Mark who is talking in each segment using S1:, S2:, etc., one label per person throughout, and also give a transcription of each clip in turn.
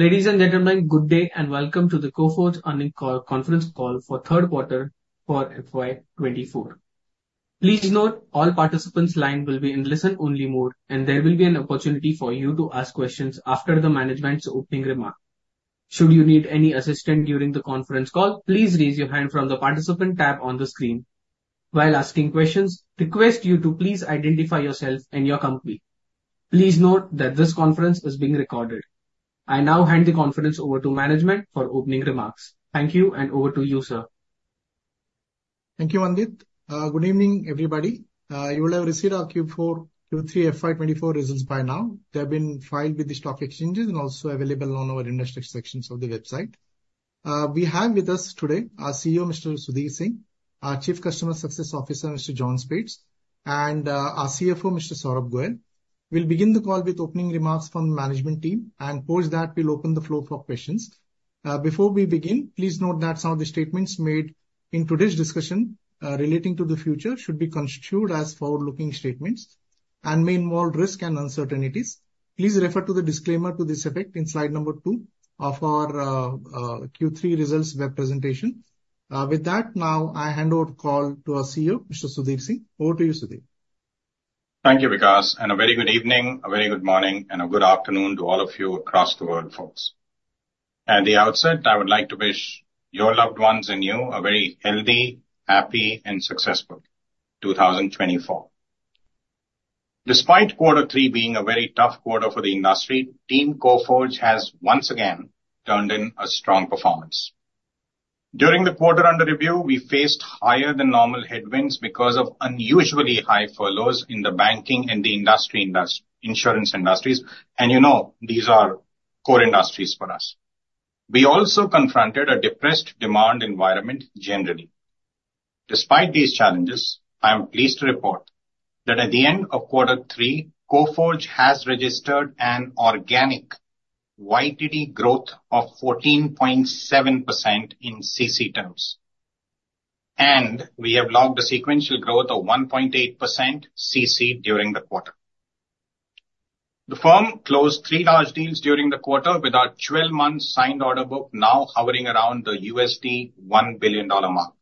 S1: Ladies and gentlemen, good day, and welcome to the Coforge Earnings Call, conference call for Third Quarter for FY 2024. Please note all participants' line will be in listen-only mode, and there will be an opportunity for you to ask questions after the management's opening remark. Should you need any assistance during the conference call, please raise your hand from the participant tab on the screen. While asking questions, request you to please identify yourself and your company. Please note that this conference is being recorded. I now hand the conference over to management for opening remarks. Thank you, and over to you, sir.
S2: Thank you, Mandeep. Good evening, everybody. You will have received our Q4, Q3, FY 2024 results by now. They've been filed with the stock exchanges and also available on our investor sections of the website. We have with us today our CEO, Mr. Sudhir Singh, our Chief Customer Success Officer, Mr. John Speight, and, our CFO, Mr. Saurabh Goel. We'll begin the call with opening remarks from the management team, and post that, we'll open the floor for questions. Before we begin, please note that some of the statements made in today's discussion, relating to the future should be construed as forward-looking statements and may involve risk and uncertainties. Please refer to the disclaimer to this effect in slide number 2 of our, Q3 results web presentation. With that, now I hand over the call to our CEO, Mr. Sudhir Singh. Over to you, Sudhir.
S3: Thank you, Vikas, and a very good evening, a very good morning, and a good afternoon to all of you across the world, folks. At the outset, I would like to wish your loved ones and you a very healthy, happy, and successful 2024. Despite quarter three being a very tough quarter for the industry, Team Coforge has once again turned in a strong performance. During the quarter under review, we faced higher than normal headwinds because of unusually high furloughs in the banking and insurance industries, and you know, these are core industries for us. We also confronted a depressed demand environment generally. Despite these challenges, I am pleased to report that at the end of quarter three, Coforge has registered an organic YTD growth of 14.7% in CC terms, and we have logged a sequential growth of 1.8% CC during the quarter. The firm closed 3 large deals during the quarter with our 12-month signed order book now hovering around the $1 billion mark.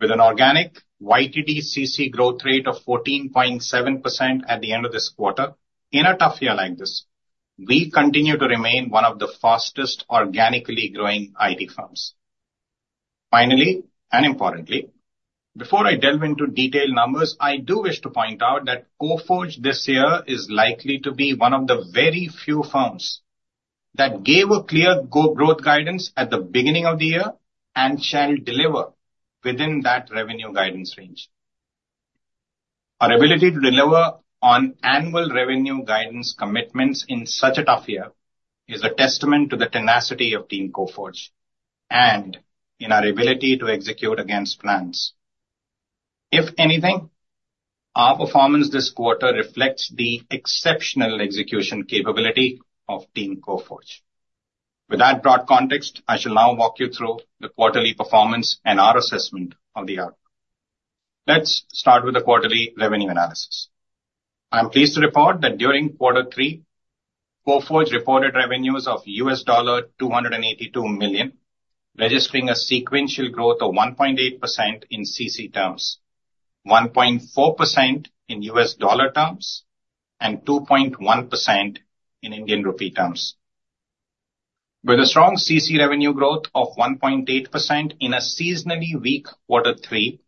S3: With an organic YTD CC growth rate of 14.7% at the end of this quarter, in a tough year like this, we continue to remain one of the fastest organically growing IT firms. Finally, and importantly, before I delve into detailed numbers, I do wish to point out that Coforge this year is likely to be one of the very few firms that gave a clear go growth guidance at the beginning of the year, and shall deliver within that revenue guidance range. Our ability to deliver on annual revenue guidance commitments in such a tough year is a testament to the tenacity of Team Coforge and in our ability to execute against plans. If anything, our performance this quarter reflects the exceptional execution capability of Team Coforge. With that broad context, I shall now walk you through the quarterly performance and our assessment of the outcome. Let's start with the quarterly revenue analysis. I am pleased to report that during quarter three, Coforge reported revenues of $282 million, registering a sequential growth of 1.8% in CC terms, 1.4% in U.S. dollar terms, and 2.1% in Indian rupee terms. With a strong CC revenue growth of 1.8% in a seasonally weak quarter three,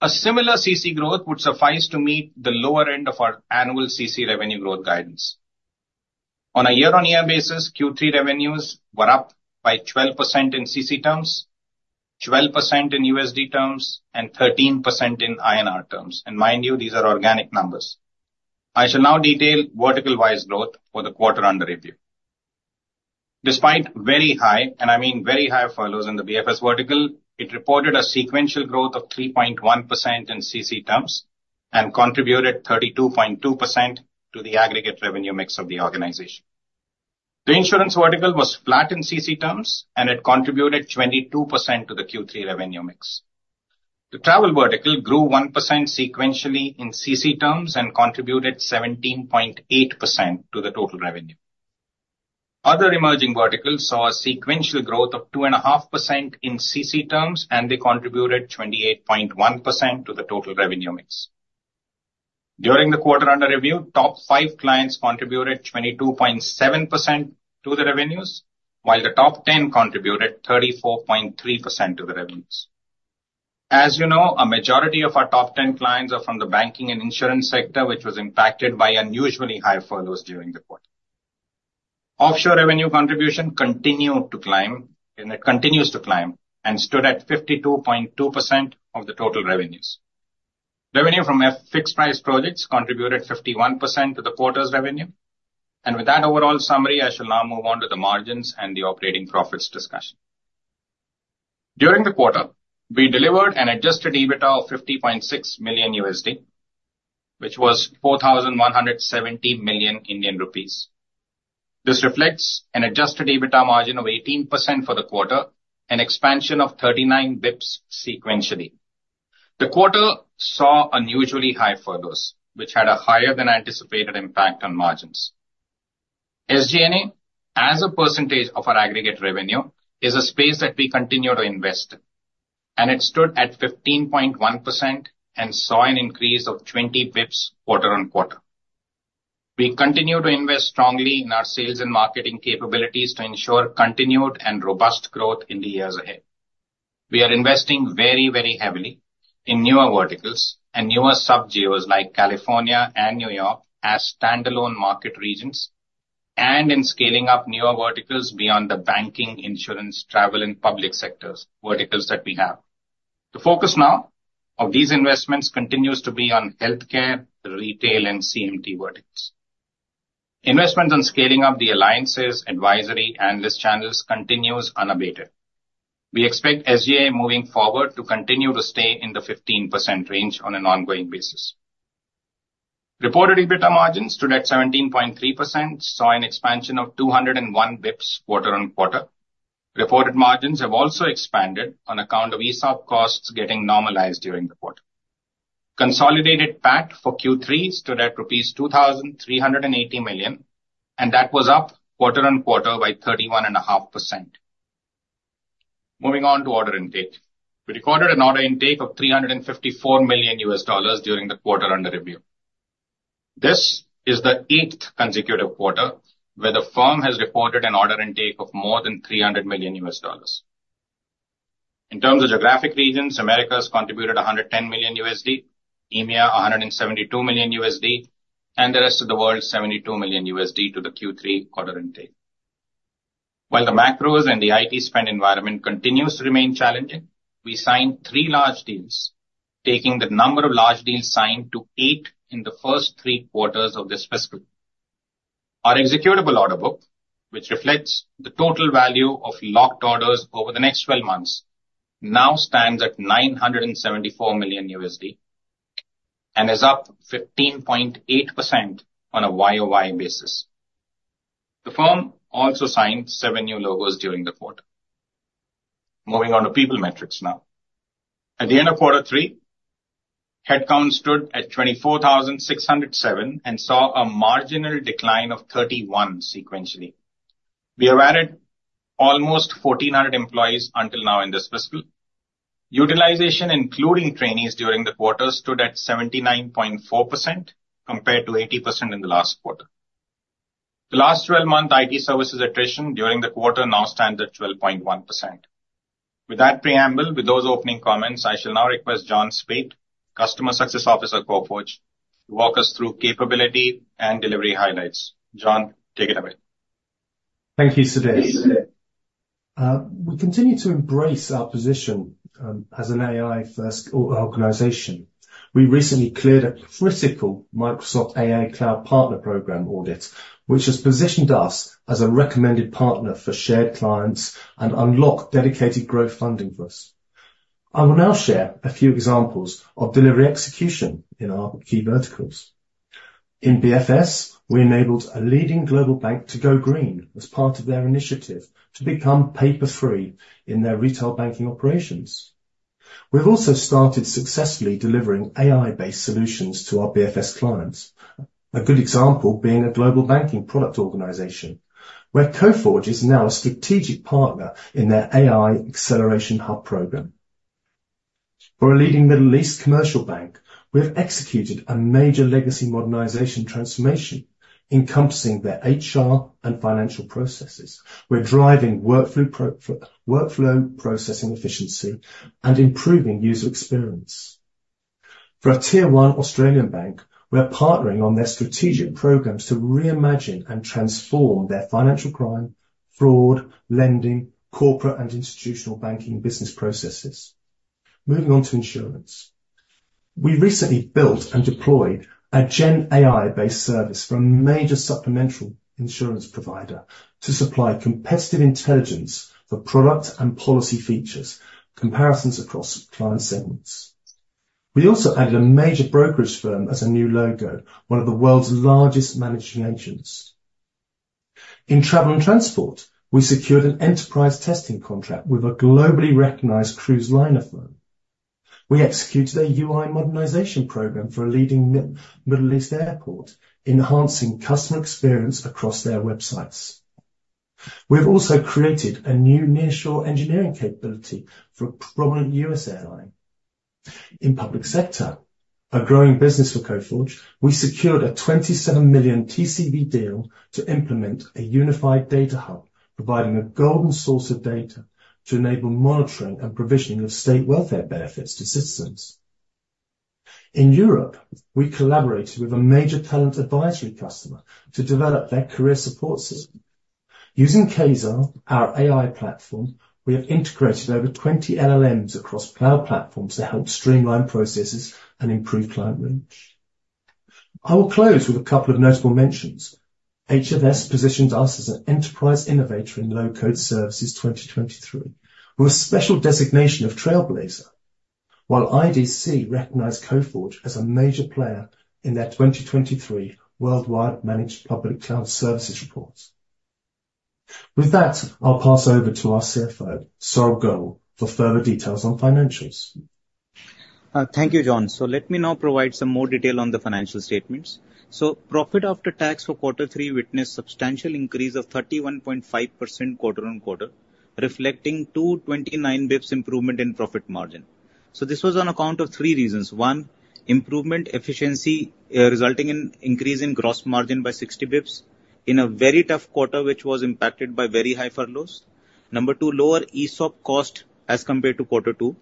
S3: a similar CC growth would suffice to meet the lower end of our annual CC revenue growth guidance. On a year-on-year basis, Q3 revenues were up by 12% in CC terms, 12% in USD terms, and 13% in INR terms. And mind you, these are organic numbers. I shall now detail vertical wise growth for the quarter under review. Despite very high, and I mean very high, furloughs in the BFS vertical, it reported a sequential growth of 3.1% in CC terms and contributed 32.2% to the aggregate revenue mix of the organization. The insurance vertical was flat in CC terms, and it contributed 22% to the Q3 revenue mix. The travel vertical grew 1% sequentially in CC terms and contributed 17.8% to the total revenue. Other emerging verticals saw a sequential growth of 2.5% in CC terms, and they contributed 28.1% to the total revenue mix. During the quarter under review, top five clients contributed 22.7% to the revenues, while the top ten contributed 34.3% to the revenues. As you know, a majority of our top ten clients are from the banking and insurance sector, which was impacted by unusually high furloughs during the quarter. Offshore revenue contribution continued to climb, and it continues to climb, and stood at 52.2% of the total revenues. Revenue from fixed price projects contributed 51% to the quarter's revenue. With that overall summary, I shall now move on to the margins and the operating profits discussion. During the quarter, we delivered an Adjusted EBITDA of $50.6 million, which was 4,170 million Indian rupees. This reflects an Adjusted EBITDA margin of 18% for the quarter, an expansion of 39 bps sequentially. The quarter saw unusually high furloughs, which had a higher than anticipated impact on margins. SG&A, as a percentage of our aggregate revenue, is a space that we continue to invest in, and it stood at 15.1% and saw an increase of 20 bps quarter-on-quarter. We continue to invest strongly in our sales and marketing capabilities to ensure continued and robust growth in the years ahead. We are investing very, very heavily in newer verticals and newer sub-GEOs like California and New York, as standalone market regions, and in scaling up newer verticals beyond the Banking, Insurance, Travel, and Public Sector verticals that we have. The focus now of these investments continues to be on Healthcare, Retail, and CMT verticals. Investments on scaling up the alliances, advisory, and analyst channels continues unabated. We expect SG&A, moving forward, to continue to stay in the 15% range on an ongoing basis. Reported EBITDA margins stood at 17.3%, saw an expansion of 201 bps quarter-on-quarter. Reported margins have also expanded on account of ESOP costs getting normalized during the quarter. Consolidated PAT for Q3 stood at rupees 2,380 million, and that was up quarter-on-quarter by 31.5%. Moving on to order intake. We recorded an order intake of $354 million during the quarter under review. This is the eighth consecutive quarter where the firm has reported an order intake of more than $300 million. In terms of geographic regions, Americas contributed $110 million, EMEA $172 million, and the rest of the world $72 million to the Q3 order intake. While the macros and the IT spend environment continues to remain challenging, we signed 3 large deals, taking the number of large deals signed to 8 in the first 3 quarters of this fiscal. Our executable order book, which reflects the total value of locked orders over the next 12 months, now stands at $974 million and is up 15.8% on a YoY basis. The firm also signed 7 new logos during the quarter. Moving on to people metrics now. At the end of quarter 3, headcount stood at 24,607, and saw a marginal decline of 31 sequentially. We have added almost 1,400 employees until now in this fiscal. Utilization, including trainees during the quarter, stood at 79.4%, compared to 80% in the last quarter. The last 12-month IT services attrition during the quarter now stands at 12.1%. With that preamble, with those opening comments, I shall now request John Speight, Customer Success Officer at Coforge, to walk us through capability and delivery highlights. John, take it away.
S4: Thank you, Sudhir. We continue to embrace our position as an AI-first organization. We recently cleared a critical Microsoft AI Cloud Partner Program audit, which has positioned us as a recommended partner for shared clients and unlocked dedicated growth funding for us. I will now share a few examples of delivery execution in our key verticals. In BFS, we enabled a leading global bank to go green as part of their initiative to become paper-free in their retail banking operations. We've also started successfully delivering AI-based solutions to our BFS clients. A good example being a global banking product organization, where Coforge is now a strategic partner in their AI Acceleration Hub program. For a leading Middle East commercial bank, we have executed a major legacy modernization transformation encompassing their HR and financial processes. We're driving workflow processing efficiency and improving user experience. For a Tier 1 Australian bank, we are partnering on their strategic programs to reimagine and transform their financial crime, fraud, lending, corporate, and institutional banking business processes. Moving on to insurance. We recently built and deployed a GenAI-based service for a major supplemental insurance provider to supply competitive intelligence for product and policy features, comparisons across client segments. We also added a major brokerage firm as a new logo, one of the world's largest managed agents. In travel and transport, we secured an enterprise testing contract with a globally recognized cruise liner firm. We executed a UI modernization program for a leading Middle East airport, enhancing customer experience across their websites. We've also created a new nearshore engineering capability for a prominent U.S. airline. In Public sector, a growing business for Coforge, we secured a $27 million TCV deal to implement a unified data hub, providing a golden source of data to enable monitoring and provisioning of state welfare benefits to citizens. In Europe, we collaborated with a major talent advisory customer to develop their career support system. Using Quasar, our AI platform, we have integrated over 20 LLMs across cloud platforms to help streamline processes and improve client reach. I will close with a couple of notable mentions. HFS positioned us as an enterprise innovator in Low-Code Services 2023, with a special designation of Trailblazer. While IDC recognized Coforge as a major player in their 2023 Worldwide Managed Public Cloud Services reports. With that, I'll pass over to our CFO, Saurabh Goel, for further details on financials.
S5: Thank you, John. Let me now provide some more detail on the financial statements. Profit After Tax for quarter three witnessed substantial increase of 31.5% quarter-on-quarter, reflecting 229 bps improvement in profit margin. This was on account of three reasons: one, improvement efficiency, resulting in increase in gross margin by 60 bps in a very tough quarter, which was impacted by very high furloughs. Number two, lower ESOP cost as compared to quarter two.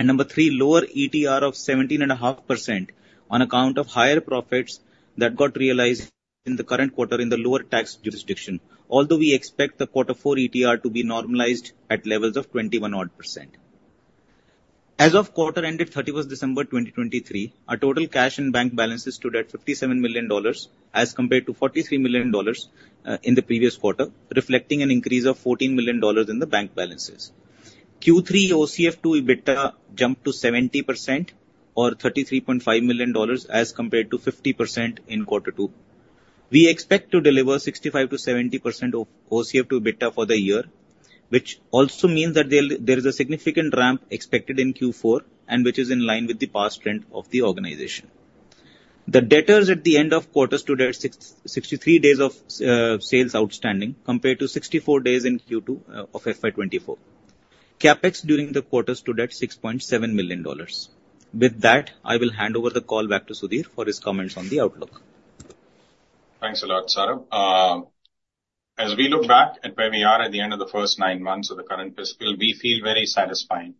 S5: Number three, lower ETR of 17.5% on account of higher profits that got realized in the current quarter in the lower tax jurisdiction, although we expect the quarter four ETR to be normalized at levels of 21 odd %. As of quarter ended 31st December 2023, our total cash and bank balances stood at $57 million as compared to $43 million in the previous quarter, reflecting an increase of $14 million in the bank balances. Q3 OCF to EBITDA jumped to 70% or $33.5 million, as compared to 50% in quarter two. We expect to deliver 65%-70% of OCF to EBITDA for the year, which also means that there is a significant ramp expected in Q4 and which is in line with the past trend of the organization. The debtors at the end of quarter stood at 63 days of sales outstanding, compared to 64 days in Q2 of FY 2024. CapEx during the quarter stood at $6.7 million. With that, I will hand over the call back to Sudhir for his comments on the outlook.
S3: Thanks a lot, Saurabh. As we look back at where we are at the end of the first nine months of the current fiscal, we feel very satisfying,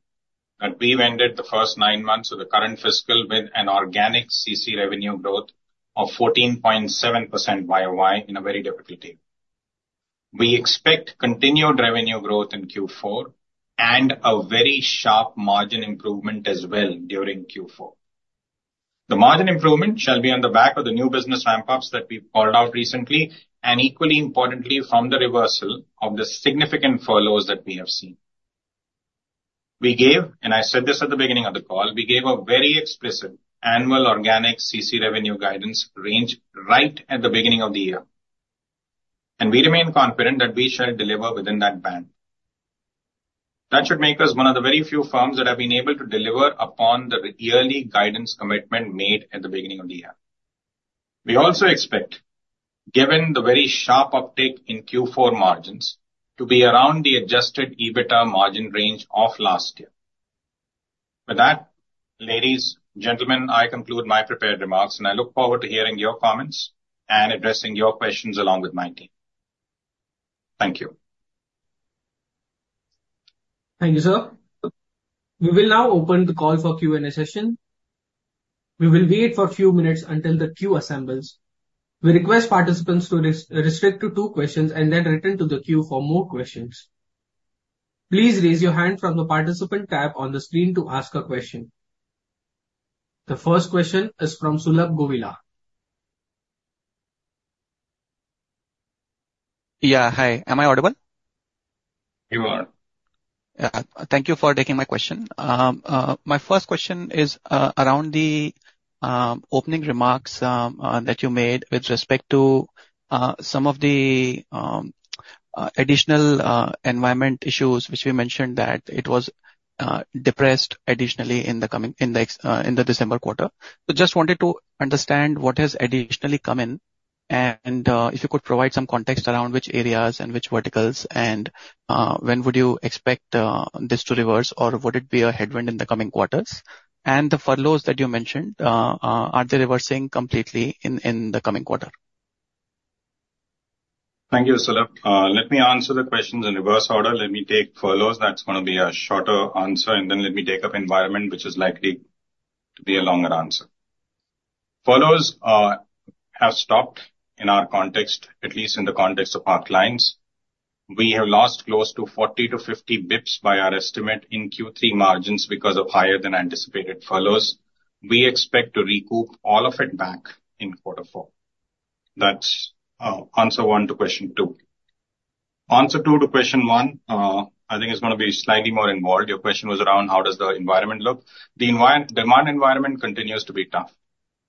S3: that we've ended the first nine months of the current fiscal with an organic CC revenue growth of 14.7% YoY in a very difficult year. We expect continued revenue growth in Q4 and a very sharp margin improvement as well during Q4. The margin improvement shall be on the back of the new business ramp-ups that we called out recently, and equally importantly, from the reversal of the significant furloughs that we have seen. We gave, and I said this at the beginning of the call, we gave a very explicit annual organic CC revenue guidance range right at the beginning of the year, and we remain confident that we shall deliver within that band. That should make us one of the very few firms that have been able to deliver upon the yearly guidance commitment made at the beginning of the year. We also expect, given the very sharp uptick in Q4 margins, to be around the Adjusted EBITDA margin range of last year. With that, ladies, gentlemen, I conclude my prepared remarks, and I look forward to hearing your comments and addressing your questions along with my team. Thank you.
S1: Thank you, sir. We will now open the call for Q&A session. We will wait for a few minutes until the queue assembles. We request participants to restrict to two questions and then return to the queue for more questions. Please raise your hand from the participant tab on the screen to ask a question. The first question is from Sulabh Govila.
S6: Yeah. Hi, am I audible?
S3: You are.
S6: Thank you for taking my question. My first question is around the opening remarks that you made with respect to some of the additional environment issues, which we mentioned that it was depressed additionally in the December quarter. Just wanted to understand what has additionally come in, and if you could provide some context around which areas and which verticals and when would you ecpect this to reverse, or would it be a headwind in the coming quarters? The furloughs that you mentioned are they reversing completely in the coming quarter?
S3: Thank you, Sulabh. Let me answer the questions in reverse order. Let me take furloughs. That's gonna be a shorter answer, and then let me take up environment, which is likely to be a longer answer. Furloughs have stopped in our context, at least in the context of our clients. We have lost close to 40bps-50 bps by our estimate in Q3 margins because of higher than anticipated furloughs. We expect to recoup all of it back in quarter four. That's answer one to question two. Answer two to question one, I think it's gonna be slightly more involved. Your question was around how does the environment look? The demand environment continues to be tough.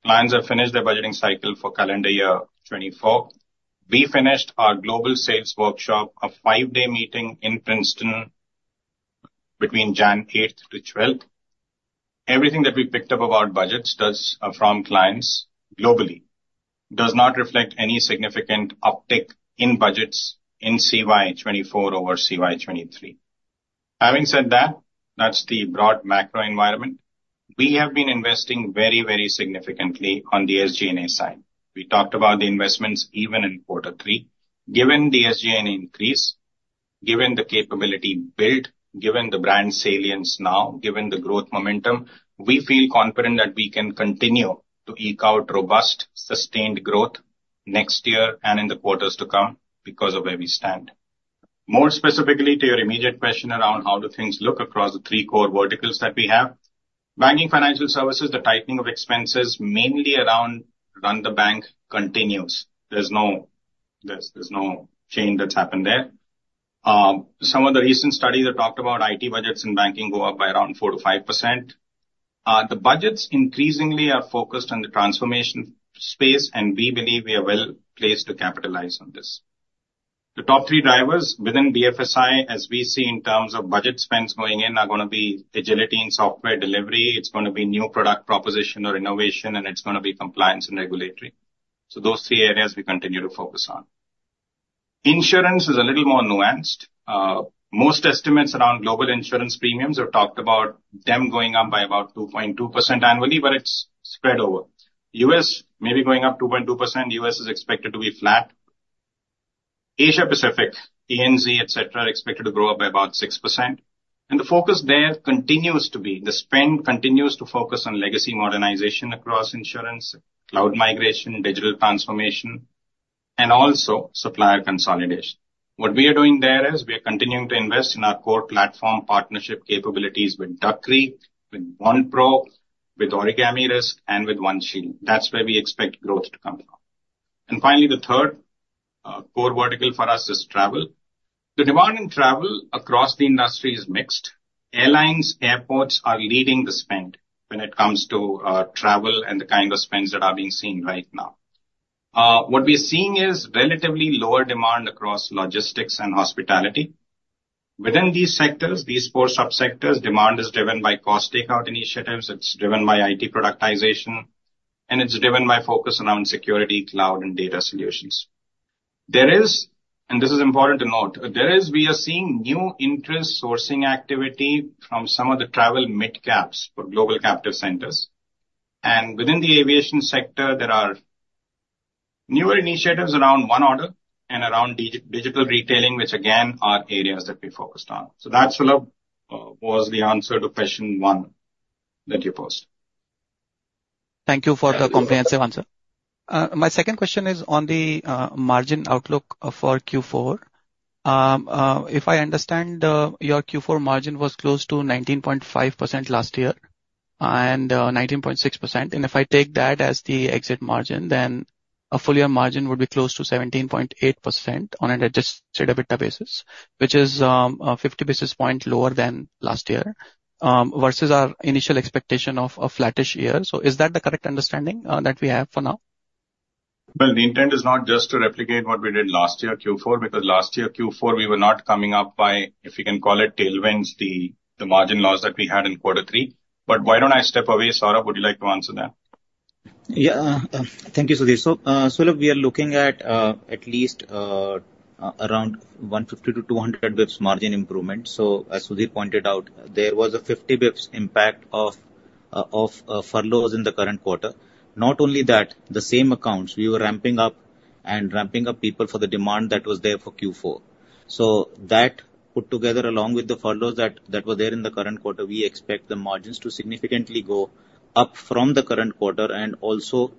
S3: Clients have finished their budgeting cycle for calendar year 2024. We finished our global sales workshop, a five-day meeting in Princeton between January 8-January 12. Everything that we picked up about budgets pulse from clients globally, does not reflect any significant uptick in budgets in CY 2024 over CY 2023. Having said that, that's the broad macro environment. We have been investing very, very significantly on the SG&A side. We talked about the investments even in quarter three. Given the SG&A increase, given the capability built, given the brand salience now, given the growth momentum, we feel confident that we can continue to eke out robust, sustained growth next year and in the quarters to come because of where we stand. More specifically, to your immediate question around how do things look across the three core verticals that we have? Banking financial services, the tightening of expenses, mainly around run the bank, continues. There's no change that's happened there. Some of the recent studies that talked about IT budgets in banking go up by around 4%-5%. The budgets increasingly are focused on the transformation space, and we believe we are well placed to capitalize on this. The top three drivers within BFSI, as we see in terms of budget spends going in, are gonna be agility and software delivery, it's gonna be new product proposition or innovation, and it's gonna be compliance and regulatory. Those three areas we continue to focus on. Insurance is a little more nuanced. Most estimates around global insurance premiums have talked about them going up by about 2.2% annually, but it's spread over. U.S. may be going up 2.2%, U.S. is expected to be flat. Asia Pacific, ANZ, et cetera, are expected to grow up by about 6%, and the focus there continues to be, the spend continues to focus on legacy modernization across insurance, cloud migration, digital transformation, and also supplier consolidation. What we are doing there is we are continuing to invest in our core platform partnership capabilities with Duck Creek, with Bond-Pro, with Origami Risk and with OneShield. That's where we expect growth to come from. And finally, the third, core vertical for us is travel. The demand in travel across the industry is mixed. Airlines, airports are leading the spend when it comes to, travel and the kind of spends that are being seen right now. What we are seeing is relatively lower demand across logistics and hospitality. Within these sectors, these four sub-sectors, demand is driven by cost takeout initiatives, it's driven by IT productization, and it's driven by focus around security, cloud and data solutions. There is, and this is important to note, there is, we are seeing new interest sourcing activity from some of the travel midcaps for global captive centers. Within the Aviation sector, there are newer initiatives around One Order and around digital retailing, which again, are areas that we focused on. That, Sulabh, was the answer to question one that you posed.
S6: Thank you for the comprehensive answer. My second question is on the margin outlook for Q4. If I understand, your Q4 margin was close to 19.5% last year and 19.6%, and if I take that as the exit margin, then a full year margin would be close to 17.8% on an Adjusted EBITDA basis, which is 50 basis points lower than last year, versus our initial expectation of a flattish year. Is that the correct understanding that we have for now?
S3: Well, the intent is not just to replicate what we did last year, Q4, because last year, Q4, we were not coming up by, if you can call it tailwinds, the margin loss that we had in quarter three. Why don't I step away? Saurabh, would you like to answer that?
S5: Yeah. Thank you, Sudhir. Sulabh, we are looking at least around 150 bps-200 bps margin improvement. As Sudhir pointed out, there was a 50 bps impact of furloughs in the current quarter. Not only that, the same accounts we were ramping up and ramping up people for the demand that was there for Q4. That put together, along with the furloughs that were there in the current quarter, we expect the margins to significantly go up from the current quarter and also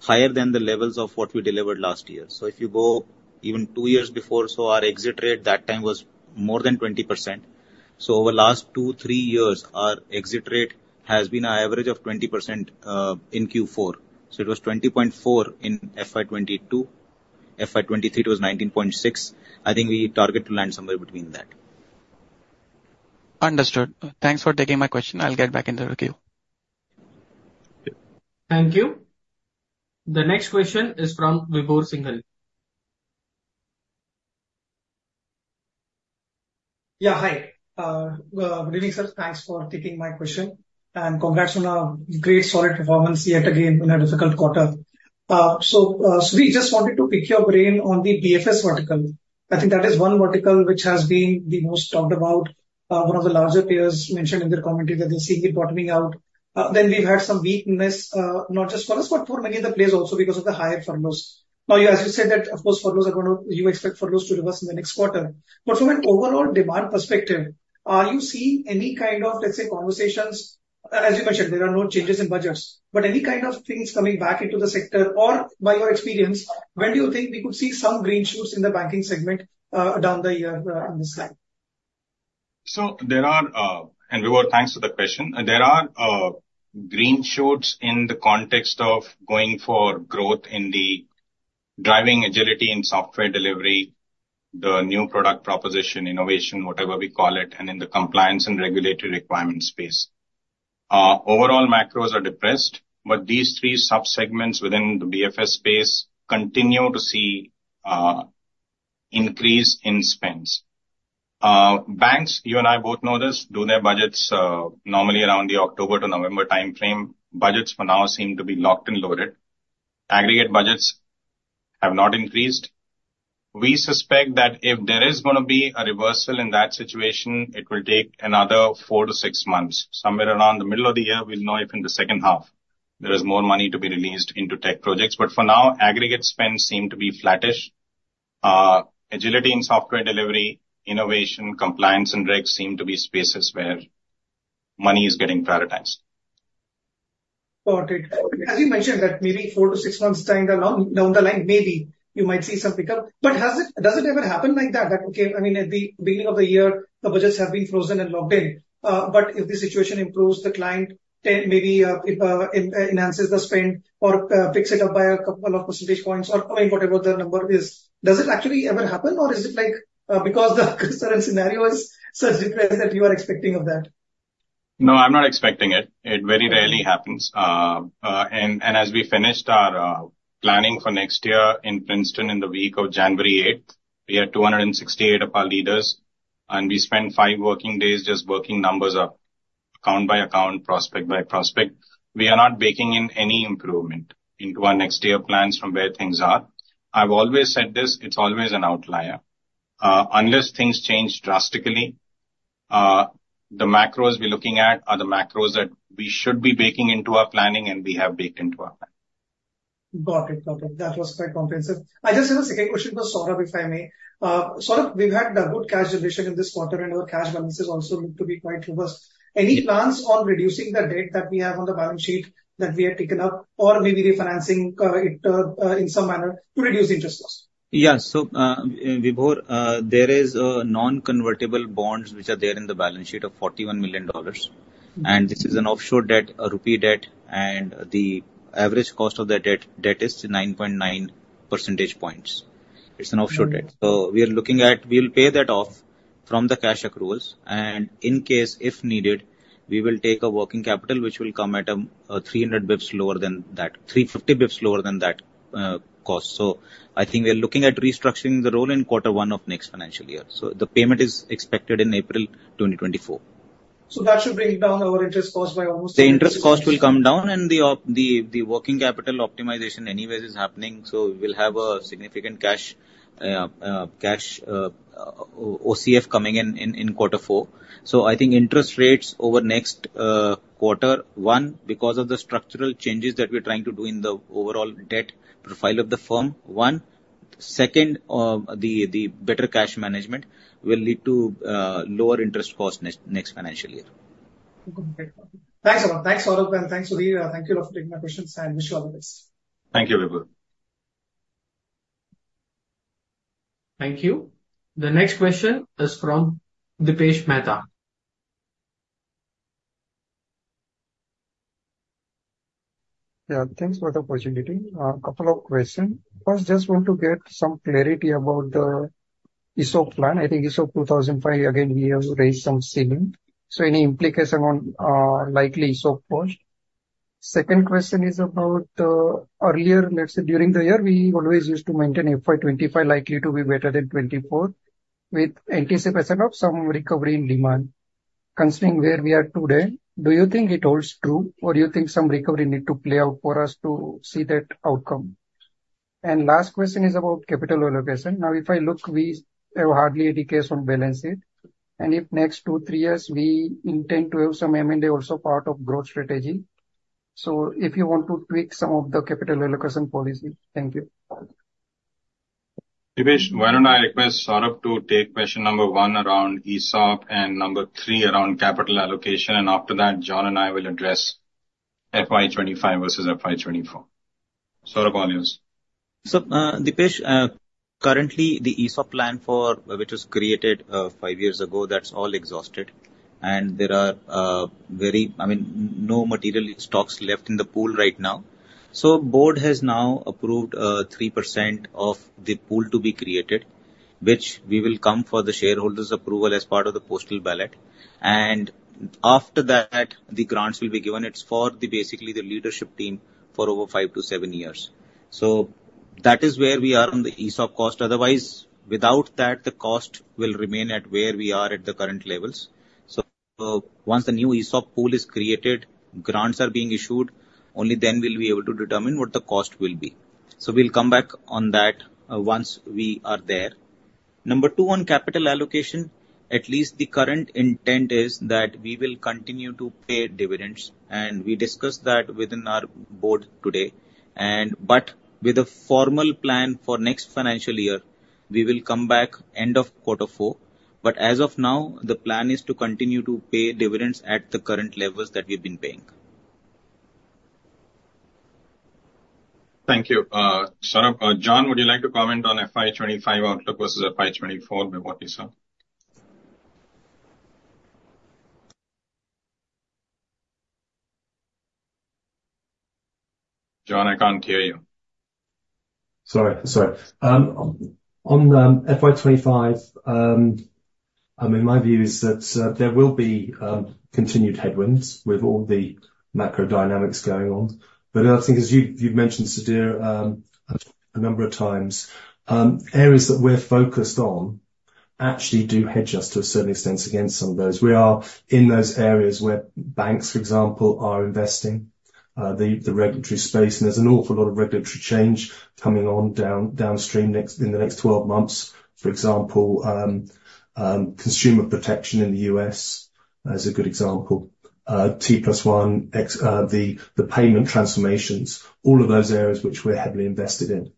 S5: higher than the levels of what we delivered last year. If you go even two years before, so our exit rate that time was more than 20%. Over the last 2, 3 years, our exit rate has been an average of 20% in Q4. It was 20.4% in FY 2022. FY 2023, it was 19.6%. I think we target to land somewhere between that.
S6: Understood. Thanks for taking my question. I'll get back in the queue.
S1: Thank you. The next question is from Vibhor Singhal.
S7: Yeah, hi. Good evening, sir. Thanks for taking my question, and congrats on a great solid performance yet again in a difficult quarter. Sudhir, just wanted to pick your brain on the BFS vertical. I think that is one vertical which has been the most talked about, one of the larger players mentioned in their commentary that they're seeing it bottoming out. Then we've had some weakness, not just for us, but for many other players also because of the higher furloughs. Now, as you said that, of course, furloughs are gonna. You expect furloughs to reverse in the next quarter. From an overall demand perspective, are you seeing any kind of, let's say, conversations? As you mentioned, there are no changes in budgets, but any kind of things coming back into the sector, or by your experience, when do you think we could see some green shoots in the banking segment, down the year, on this slide?
S3: There are, and Vibhor, thanks for the question. There are green shoots in the context of going for growth in the driving agility in software delivery, the new product proposition, innovation, whatever we call it, and in the compliance and regulatory requirement space. Overall macros are depressed, but these three sub-segments within the BFS space continue to see increase in spends. Banks, you and I both know this, do their budgets normally around the October to November time frame. Budgets for now seem to be locked and loaded. Aggregate budgets have not increased. We suspect that if there is gonna be a reversal in that situation, it will take another 4 months-6 months. Somewhere around the middle of the year, we'll know if in the second half there is more money to be released into tech projects. For now, aggregate spends seem to be flattish. Agility and software delivery, innovation, compliance and regs seem to be spaces where money is getting prioritized.
S7: Got it. As you mentioned, that maybe 4 months-6 months time along, down the line, maybe you might see some pickup. Does it ever happen like that, that, okay, I mean, at the beginning of the year, the budgets have been frozen and locked in, but if the situation improves, the client then maybe enhances the spend or picks it up by a couple of percentage points? I mean, whatever the number is. Does it actually ever happen, or is it like, because the current scenario is such that you are expecting of that?
S3: No, I'm not expecting it. It very rarely happens. As we finished our planning for next year in Princeton in the week of January 8th, we had 268 of our leaders, and we spent five working days just working numbers up, account by account, prospect by prospect. We are not baking in any improvement into our next year plans from where things are. I've always said this, it's always an outlier. Unless things change drastically, the macros we're looking at are the macros that we should be baking into our planning, and we have baked into our plan.
S7: Got it. Got it. That was quite comprehensive. I just have a second question for Saurabh, if I may. Saurabh, we've had a good cash division in this quarter, and our cash balances also look to be quite robust. Any plans on reducing the debt that we have on the balance sheet that we have taken up, or maybe refinancing, it, in some manner to reduce interest costs?
S5: Yeah. Vibhor, there is non-convertible bonds which are there in the balance sheet of $41 million. This is an offshore debt, a rupee debt, and the average cost of the debt, debt is 9.9 percentage points. It's an offshore debt. We are looking at we'll pay that off from the cash accruals, and in case, if needed, we will take a working capital, which will come at 300 bps lower than that, 350 bps lower than that, cost. I think we are looking at restructuring the loan in quarter one of next financial year. The payment is expected in April 2024.
S7: That should bring down our interest cost by almost?
S5: The interest cost will come down, and the working capital optimization anyways is happening, so we'll have a significant cash OCF coming in in quarter four. I think interest rates over next quarter one, because of the structural changes that we're trying to do in the overall debt profile of the firm, one. Second, the better cash management will lead to lower interest costs next financial year.
S7: Okay. Thanks a lot. Thanks, Saurabh, and thanks, Sudhir. Thank you for taking my questions, and wish you all the best.
S3: Thank you, Vibhor.
S1: Thank you. The next question is from Dipesh Mehta.
S8: Yeah, thanks for the opportunity. A couple of questions. First, just want to get some clarity about the ESOP plan. I think ESOP 2005, again, we have raised some ceiling, so any implication on likely ESOP cost? Second question is about earlier, let's say, during the year, we always used to maintain FY 2025, likely to be better than 2024, with anticipation of some recovery in demand. Considering where we are today, do you think it holds true, or do you think some recovery need to play out for us to see that outcome? Last question is about capital allocation. Now, if I look, we have hardly any cash on balance sheet, and if next 2, 3 years, we intend to have some M&A, also part of growth strategy. If you want to tweak some of the capital allocation policy. Thank you.
S3: Dipesh, why don't I request Saurabh to take question number one around ESOP and number three around capital allocation, and after that, John and I will address FY 2025 versus FY 2024. Saurabh, all yours.
S5: Dipesh, currently, the ESOP plan for which was created five years ago, that's all exhausted. There are, very I mean, no material stocks left in the pool right now. Board has now approved three percent of the pool to be created, which we will come for the shareholders' approval as part of the postal ballot. After that, the grants will be given. It's for the, basically, the leadership team for over five to seven years. That is where we are on the ESOP cost. Otherwise, without that, the cost will remain at where we are at the current levels. Once the new ESOP pool is created, grants are being issued, only then we'll be able to determine what the cost will be. We'll come back on that, once we are there. Number 2, on capital allocation, at least the current intent is that we will continue to pay dividends, and we discussed that within our board today. With a formal plan for next financial year, we will come back end of quarter four, but as of now, the plan is to continue to pay dividends at the current levels that we've been paying.
S3: Thank you, Saurabh. John, would you like to comment on FY 2025 outlook versus FY 2024 before we saw? John, I can't hear you.
S4: Sorry, sorry. On FY 2025, I mean, my view is that there will be continued headwinds with all the macro dynamics going on. The other thing is, you've, you've mentioned, Sudhir, a number of times, areas that we're focused on actually do hedge us to a certain extent against some of those. We are in those areas where banks, for example, are investing, the regulatory space, and there's an awful lot of regulatory change coming on down, downstream next, in the next 12 months. For example, consumer protection in the U.S. as a good example, T+1, the payment transformations, all of those areas which we're heavily invested in.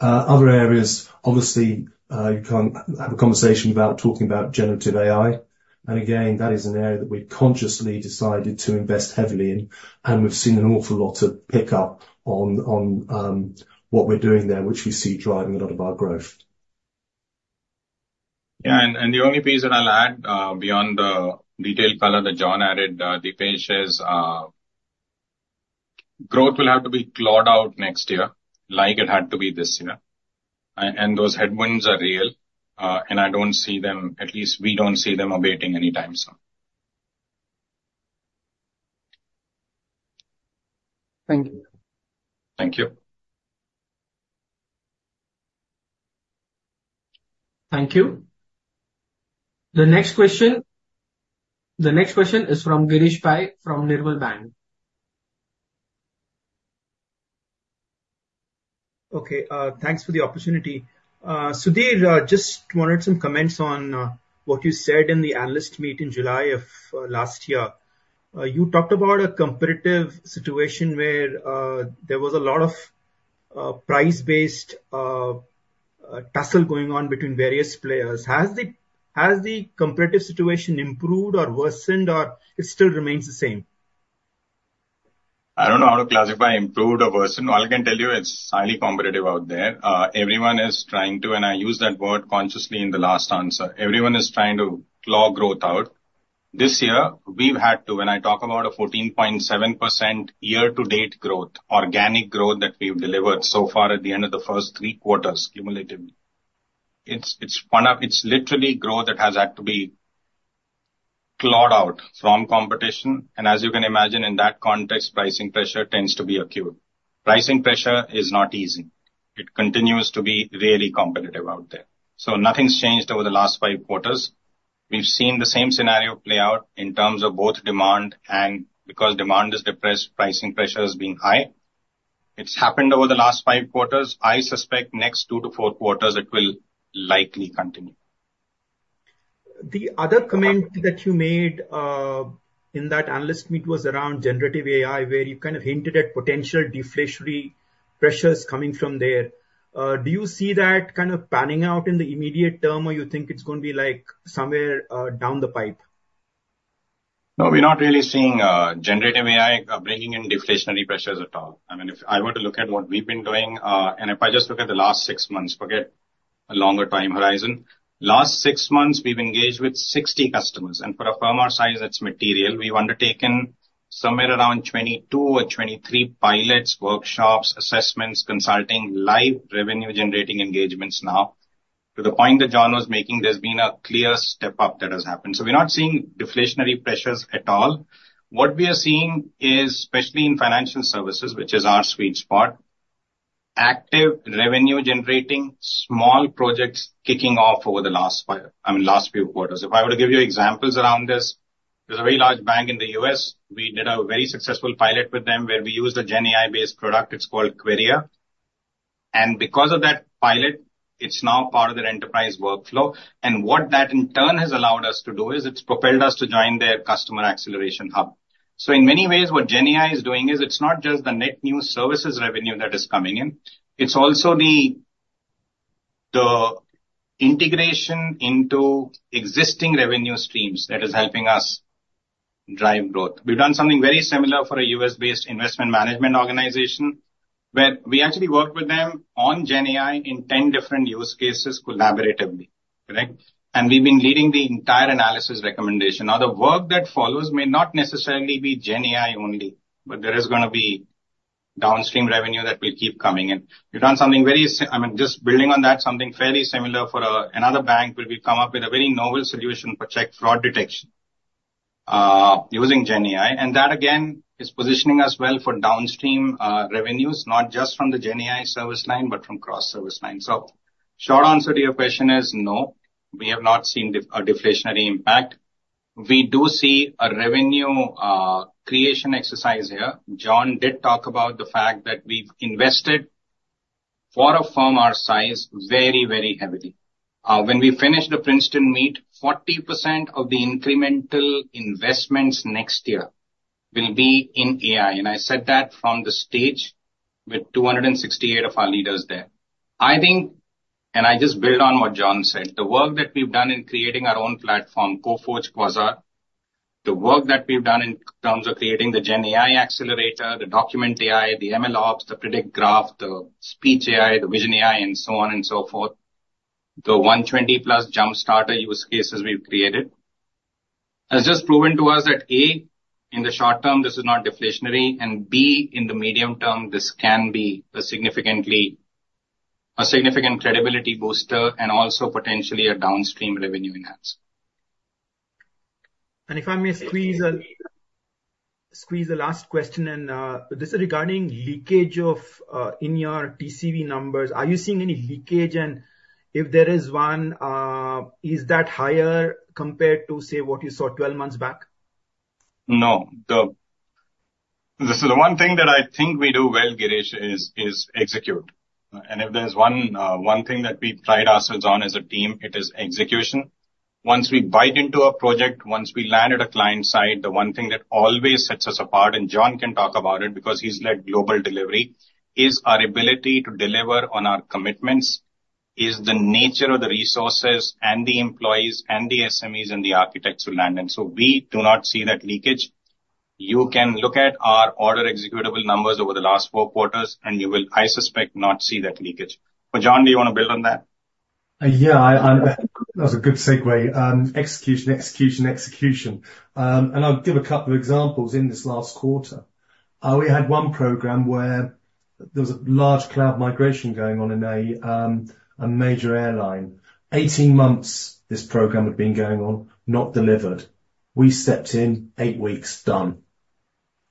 S4: Other areas, obviously, you can't have a conversation without talking about generative AI. Again, that is an area that we consciously decided to invest heavily in, and we've seen an awful lot of pick up on what we're doing there, which we see driving a lot of our growth.
S3: Yeah, and the only piece that I'll add beyond the detailed color that John added, Dipesh, is growth will have to be clawed out next year, like it had to be this year. Those headwinds are real, and I don't see them, at least we don't see them abating anytime soon.
S8: Thank you.
S3: Thank you.
S1: Thank you. The next question is from Girish Pai from Nirmal Bang.
S9: Okay, thanks for the opportunity. Sudhir, just wanted some comments on what you said in the analyst meet in July of last year. You talked about a competitive situation where there was a lot of price-based tussle going on between various players. Has the competitive situation improved or worsened, or it still remains the same?
S3: I don't know how to classify improved or worsened. All I can tell you, it's highly competitive out there. Everyone is trying to, and I used that word consciously in the last answer, everyone is trying to claw growth out. This year, we've had to, when I talk about a 14.7% year-to-date growth, organic growth that we've delivered so far at the end of the first three quarters cumulatively. It's literally growth that has had to be clawed out from competition. As you can imagine in that context, pricing pressure tends to be acute. Pricing pressure is not easy. It continues to be really competitive out there. Nothing's changed over the last five quarters. We've seen the same scenario play out in terms of both demand, and because demand is depressed, pricing pressure is being high. It's happened over the last five quarters. I suspect next two to four quarters, it will likely continue.
S9: The other comment that you made in that Analyst Meet was around generative AI, where you kind of hinted at potential deflationary pressures coming from there. Do you see that kind of panning out in the immediate term, or you think it's going to be, like, somewhere down the pipe?
S3: No, we're not really seeing generative AI bringing in deflationary pressures at all. I mean, if I were to look at what we've been doing, and if I just look at the last six months, forget a longer time horizon. Last six months, we've engaged with 60 customers, and for a firm our size, it's material. We've undertaken somewhere around 22 or 23 pilots, workshops, assessments, consulting, live revenue-generating engagements now. To the point that John was making, there's been a clear step-up that has happened. We're not seeing deflationary pressures at all. What we are seeing is, especially in financial services, which is our sweet spot, active revenue-generating, small projects kicking off over the last, I mean, last few quarters. If I were to give you examples around this, there's a very large bank in the U.S. We did a very successful pilot with them, where we used a GenAI-based product. It's called Querier. Because of that pilot, it's now part of their enterprise workflow, and what that in turn has allowed us to do is it's propelled us to join their customer acceleration hub. In many ways, what GenAI is doing is it's not just the net new services revenue that is coming in, it's also the integration into existing revenue streams that is helping us drive growth. We've done something very similar for a U.S.-based investment management organization, where we actually worked with them on GenAI in 10 different use cases collaboratively, correct? We've been leading the entire analysis recommendation. Now, the work that follows may not necessarily be GenAI only, but there is gonna be downstream revenue that will keep coming in. We've done something very, I mean, just building on that, something fairly similar for another bank, where we've come up with a very novel solution for check fraud detection using GenAI. That, again, is positioning us well for downstream revenues, not just from the GenAI service line, but from cross service line. Short answer to your question is no, we have not seen a deflationary impact. We do see a revenue creation exercise here. John did talk about the fact that we've invested for a firm our size, very, very heavily. When we finish the Princeton meet, 40% of the incremental investments next year will be in AI. I said that from the stage with 268 of our leaders there. I think, and I just build on what John said, the work that we've done in creating our own platform, Coforge Quasar, the work that we've done in terms of creating the GenAI Accelerator, the Document AI, the MLOps, the Predict, Graph, the Speech AI, the Vision AI, and so on and so forth, the 120+ jump starter use cases we've created, has just proven to us that, A, in the short term, this is not deflationary, and B, in the medium term, this can be a significantly, a significant credibility booster and also potentially a downstream revenue enhance.
S9: If I may squeeze in a last question, this is regarding leakage in your TCV numbers. Are you seeing any leakage? If there is one, is that higher compared to, say, what you saw 12 months back?
S3: No. This is the one thing that I think we do well, Girish, is execute. If there's one one thing that we pride ourselves on as a team, it is execution. Once we bite into a project, once we land at a client site, the one thing that always sets us apart, and John can talk about it because he's led global delivery, is our ability to deliver on our commitments, is the nature of the resources and the employees and the SMEs and the architects who land in. We do not see that leakage. You can look at our order executable numbers over the last four quarters, and you will, I suspect, not see that leakage. John, do you want to build on that?
S4: Yeah, I, that's a good segue. Execution, execution, execution. I'll give a couple of examples in this last quarter. We had one program where there was a large cloud migration going on in a a major airline. 18 months this program had been going on, not delivered. We stepped in, 8 weeks, done.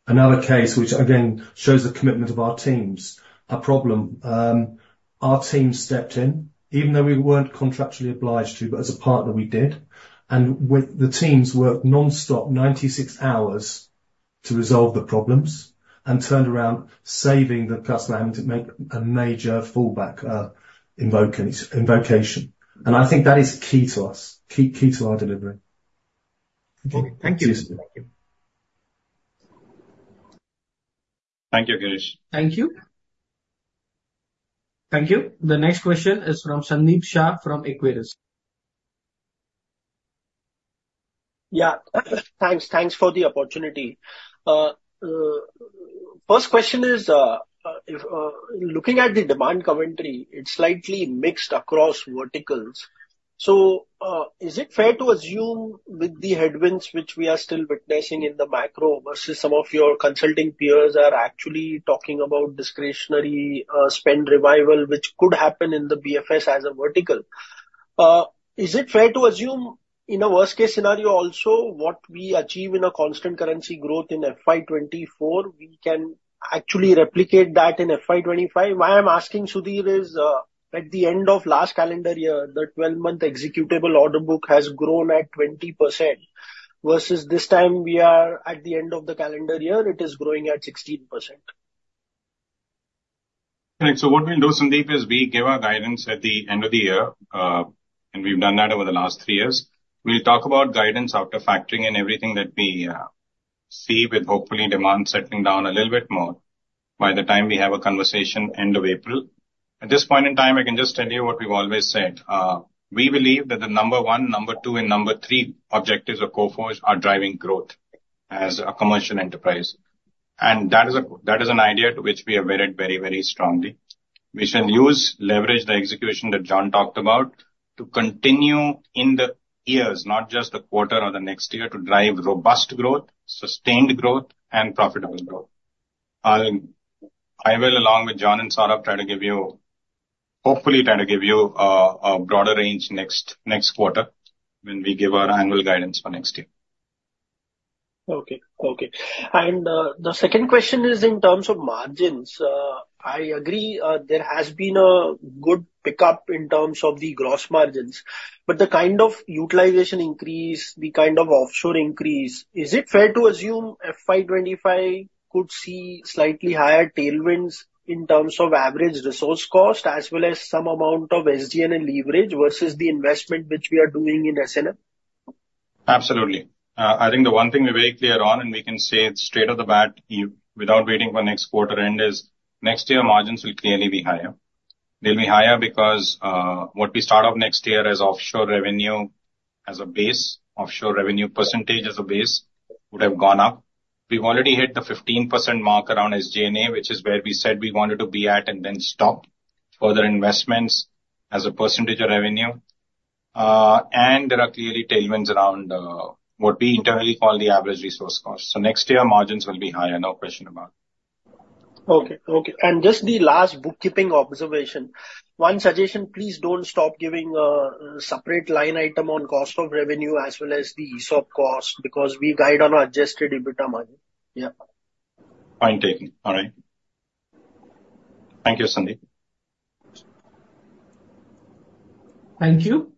S4: Another case which again shows the commitment of our teams, a problem, our team stepped in, even though we weren't contractually obliged to, but as a partner, we did. With the teams worked nonstop, 96 hours, to resolve the problems and turned around saving the customer having to make a major fallback invocation, invocation. I think that is key to us, key, key to our delivery.
S9: Okay, thank you. Thank you.
S3: Thank you, Girish.
S1: Thank you. Thank you. The next question is from Sandeep Shah, from Equirus.
S10: Yeah. Thanks, thanks for the opportunity. First question is, if looking at the demand commentary, it's slightly mixed across verticals. Os it fair to assume with the headwinds which we are still witnessing in the macro, versus some of your consulting peers are actually talking about discretionary spend revival, which could happen in the BFS as a vertical. Is it fair to assume, in a worst case scenario also, what we achieve in a constant currency growth in FY 2024, we can actually replicate that in FY 2025? Why I'm asking, Sudhir, is, at the end of last calendar year, the 12-month executable order book has grown at 20%, versus this time we are at the end of the calendar year, it is growing at 16%?
S3: Correct. What we'll do, Sandeep, is we give our guidance at the end of the year, and we've done that over the last three years. We'll talk about guidance after factoring in everything that we see, with hopefully demand settling down a little bit more by the time we have a conversation, end of April. At this point in time, I can just tell you what we've always said. We believe that the number one, number two, and number three objectives of Coforge are driving growth as a commercial enterprise. That is a, that is an idea to which we adhere very, very strongly. We shall use, leverage the execution that John talked about to continue in the years, not just the quarter or the next year, to drive robust growth, sustained growth, and profitable growth. I will, along with John and Saurabh, try to give you hopefully, try to give you a broader range next quarter, when we give our annual guidance for next year.
S10: Okay. Okay. The second question is in terms of margins. I agree, there has been a good pickup in terms of the gross margins, but the kind of utilization increase, the kind of offshore increase, is it fair to assume FY 2025 could see slightly higher tailwinds in terms of average resource cost, as well as some amount of SG&A leverage versus the investment which we are doing in S&M?
S3: Absolutely. I think the one thing we're very clear on, and we can say it straight off the bat, without waiting for next quarter end, is next year margins will clearly be higher. They'll be higher because, what we start off next year as offshore revenue, as a base, offshore revenue percentage as a base, would have gone up. We've already hit the 15% mark around SG&A, which is where we said we wanted to be at, and then stopped further investments as a percentage of revenue. There are clearly tailwinds around, what we internally call the average resource cost. Next year margins will be higher, no question about it.
S10: Okay. Okay, and just the last bookkeeping observation. One suggestion, please don't stop giving a separate line item on cost of revenue as well as the ESOP cost, because we guide on Adjusted EBITDA margin. Yeah.
S3: Point taken. All right. Thank you, Sandeep.
S1: Thank you.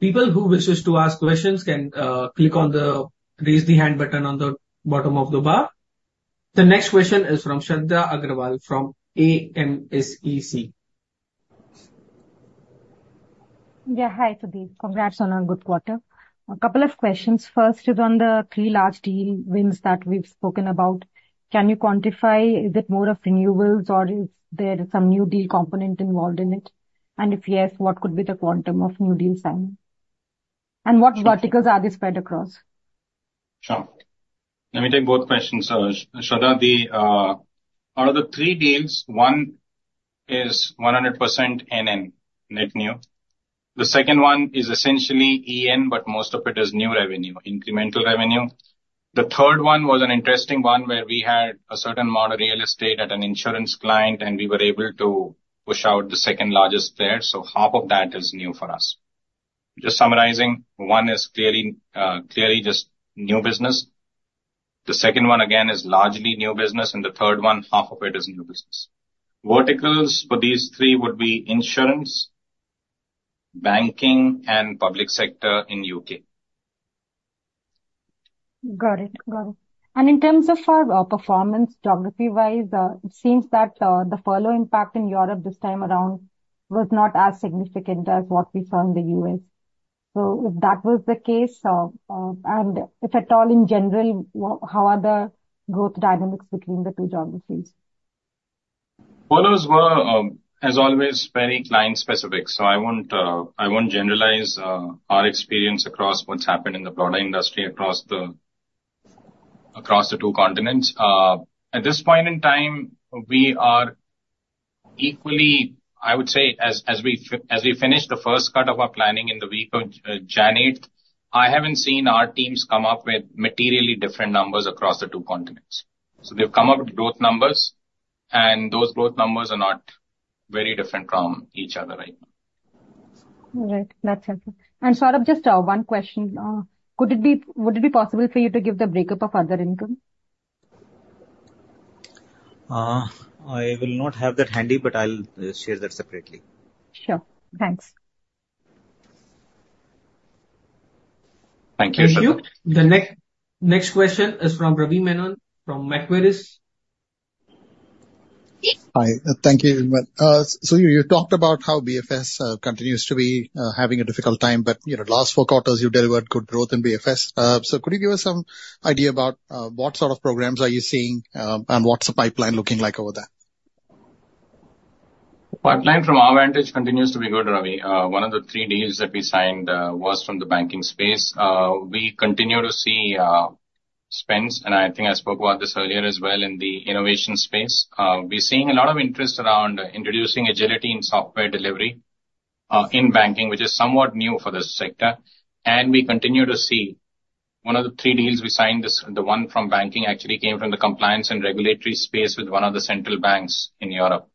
S1: People who wishes to ask questions can click on the Raise the Hand button on the bottom of the bar. The next question is from Shradha Agrawal from AMSEC.
S11: Yeah. Hi, Sudhir. Congrats on a good quarter. A couple of questions. First is on the three large deal wins that we've spoken about. Can you quantify, is it more of renewables or is there some new deal component involved in it? If yes, what could be the quantum of new deal signing? What verticals are they spread across?
S3: Sure. Let me take both questions, Shradha. The out of the three deals, one is 100% NN, Net New. The second one is essentially EN, but most of it is new revenue, incremental revenue. The third one was an interesting one, where we had a certain amount of real estate at an insurance client, and we were able to push out the second-largest there, so half of that is new for us. Just summarizing, one is clearly, clearly just new business, the second one, again, is largely new business, and the third one, half of it is new business. Verticals for these three would be insurance, banking, and Public sector in U.K.
S11: Got it. Got it. In terms of our performance, geography-wise, it seems that the furlough impact in Europe this time around was not as significant as what we saw in the U.S. If that was the case, and if at all in general, how are the growth dynamics between the two geographies?
S3: Furloughs were, as always, very client-specific, so I won't generalize our experience across what's happened in the broader industry, across the two continents. At this point in time, we are equally, I would say, as we finish the first cut of our planning in the week of January 8th, I haven't seen our teams come up with materially different numbers across the two continents. They've come up with both numbers, and those both numbers are not very different from each other right now.
S11: All right. That's helpful. Saurabh, just, one question. Would it be possible for you to give the breakup of other income?
S5: I will not have that handy, but I'll share that separately.
S11: Sure. Thanks.
S3: Thank you.
S1: Thank you. The next, next question is from Ravi Menon from Macquarie.
S12: Hi, thank you very much. You, you talked about how BFS continues to be having a difficult time, but, you know, last four quarters you delivered good growth in BFS. Could you give us some idea about what sort of programs are you seeing, and what's the pipeline looking like over there?
S3: The pipeline from our vantage continues to be good, Ravi. One of the 3 deals that we signed was from the banking space. We continue to see spends, and I think I spoke about this earlier as well in the innovation space. We're seeing a lot of interest around introducing agility in software delivery in banking, which is somewhat new for this sector. We continue to see one of the 3 deals we signed, this, the one from banking, actually came from the compliance and regulatory space with one of the central banks in Europe.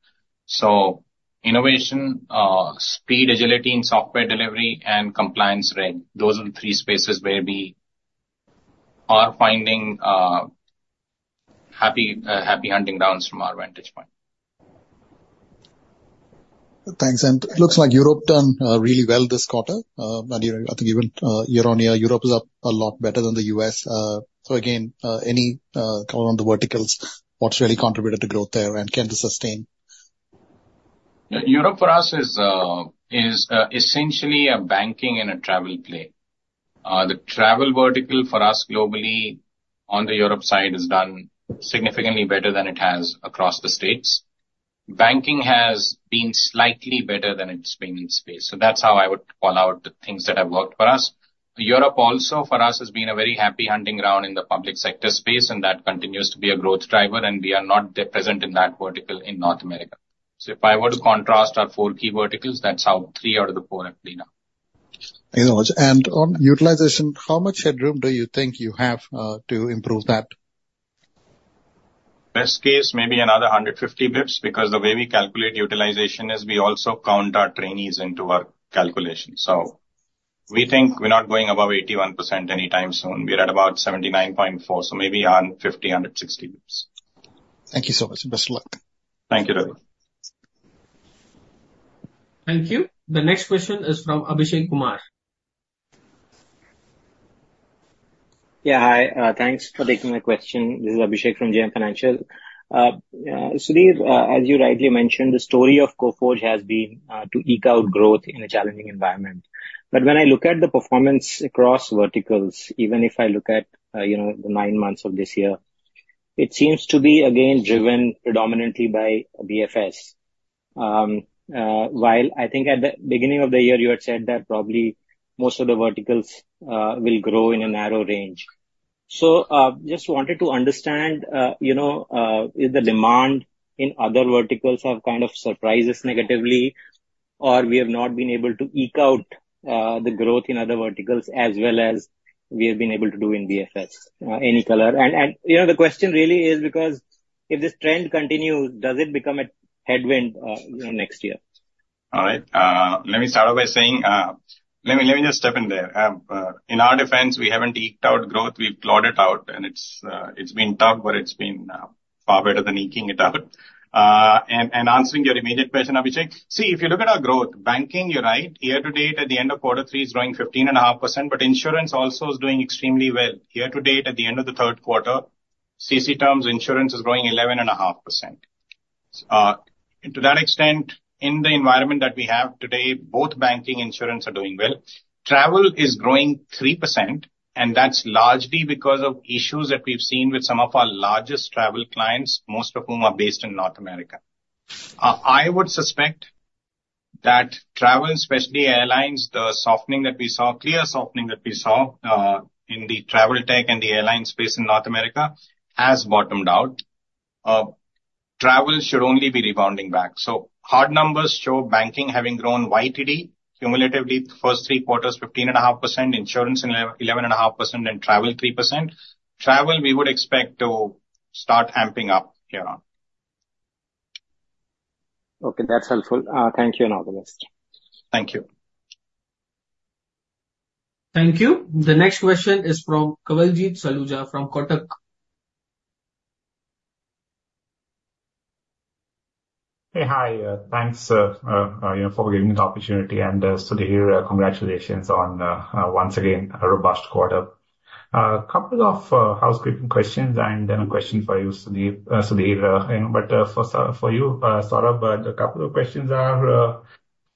S3: Innovation, speed, agility in software delivery and compliance reg. Those are the 3 spaces where we are finding happy, happy hunting grounds from our vantage point.
S12: Thanks. It looks like Europe did really well this quarter. I think even year-on-year, Europe is up a lot better than the U.S. Again, any color on the verticals, what's really contributed to growth there and can this sustain?
S3: Yeah, Europe for us is essentially a banking and a travel play. The travel vertical for us globally on the Europe side has done significantly better than it has across the States. Banking has been slightly better than it's been in space, so that's how I would call out the things that have worked for us. Europe also, for us, has been a very happy hunting ground in the public sector space, and that continues to be a growth driver, and we are not that present in that vertical in North America. If I were to contrast our four key verticals, that's how three out of the four have cleaned up.
S12: Thank you so much. On Utilization, how much headroom do you think you have to improve that?
S3: Best case, maybe another 150 bps, because the way we calculate utilization is we also count our trainees into our calculation. We think we're not going above 81% anytime soon. We're at about 79.4, so maybe on 150 bps-160 bps.
S12: Thank you so much, and best of luck.
S3: Thank you, Ravi.
S1: Thank you. The next question is from Abhishek Kumar.
S13: Yeah, hi, thanks for taking my question. This is Abhishek from JM Financial. Sudhir, as you rightly mentioned, the story of Coforge has been to eke out growth in a challenging environment. But when I look at the performance across verticals, even if I look at, you know, the nine months of this year, it seems to be again driven predominantly by BFS. While I think at the beginning of the year, you had said that probably most of the verticals will grow in a narrow range. Just wanted to understand, you know, if the demand in other verticals have kind of surprised us negatively, or we have not been able to eke out the growth in other verticals as well as we have been able to do in BFS, any color? You know, the question really is because if this trend continues, does it become a headwind in next year?
S3: All right. Let me start off by saying. Let me, let me just step in there. In our defense, we haven't eked out growth, we've plodded out, and it's, it's been tough, but it's been, far better than eking it out. Answering your immediate question, Abhishek. See, if you look at our growth, banking, you're right, year-to-date, at the end of quarter three is growing 15.5%, but insurance also is doing extremely well. Year-to-date, at the end of the third quarter, CC terms insurance is growing 11.5%. To that extent, in the environment that we have today, both banking insurance are doing well. Travel is growing 3%, and that's largely because of issues that we've seen with some of our largest travel clients, most of whom are based in North America. I would suspect that travel, especially airlines, the softening that we saw, clear softening that we saw, in the travel tech and the airline space in North America, has bottomed out. Travel should only be rebounding back. Hard numbers show banking having grown YTD cumulatively, the first three quarters, 15.5%, insurance 11%, 11.5%, and travel 3%. Travel, we would expect to start ramping up here on.
S13: Okay, that's helpful. Thank you and all the best.
S3: Thank you.
S1: Thank you. The next question is from Kawaljeet Saluja, from Kotak.
S14: Hey, hi, thanks, you know, for giving me the opportunity, and Sudhir, congratulations on once again a robust quarter. Couple of housekeeping questions and then a question for you, Sudhir, you know, but first for you, Saurabh, a couple of questions are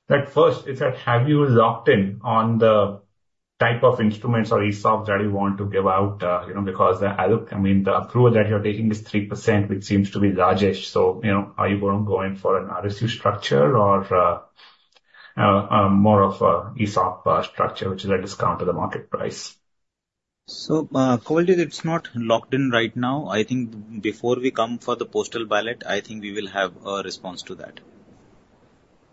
S14: like first, it's that have you locked in on the type of instruments or ESOP that you want to give out? You know, because I look, I mean, the approval that you're taking is 3%, which seems to be largish. You know, are you going to go in for an RSU structure or more of a ESOP structure, which is a discount to the market price.
S5: Kawaljeet, it's not locked in right now. I think before we come for the postal ballot, I think we will have a response to that.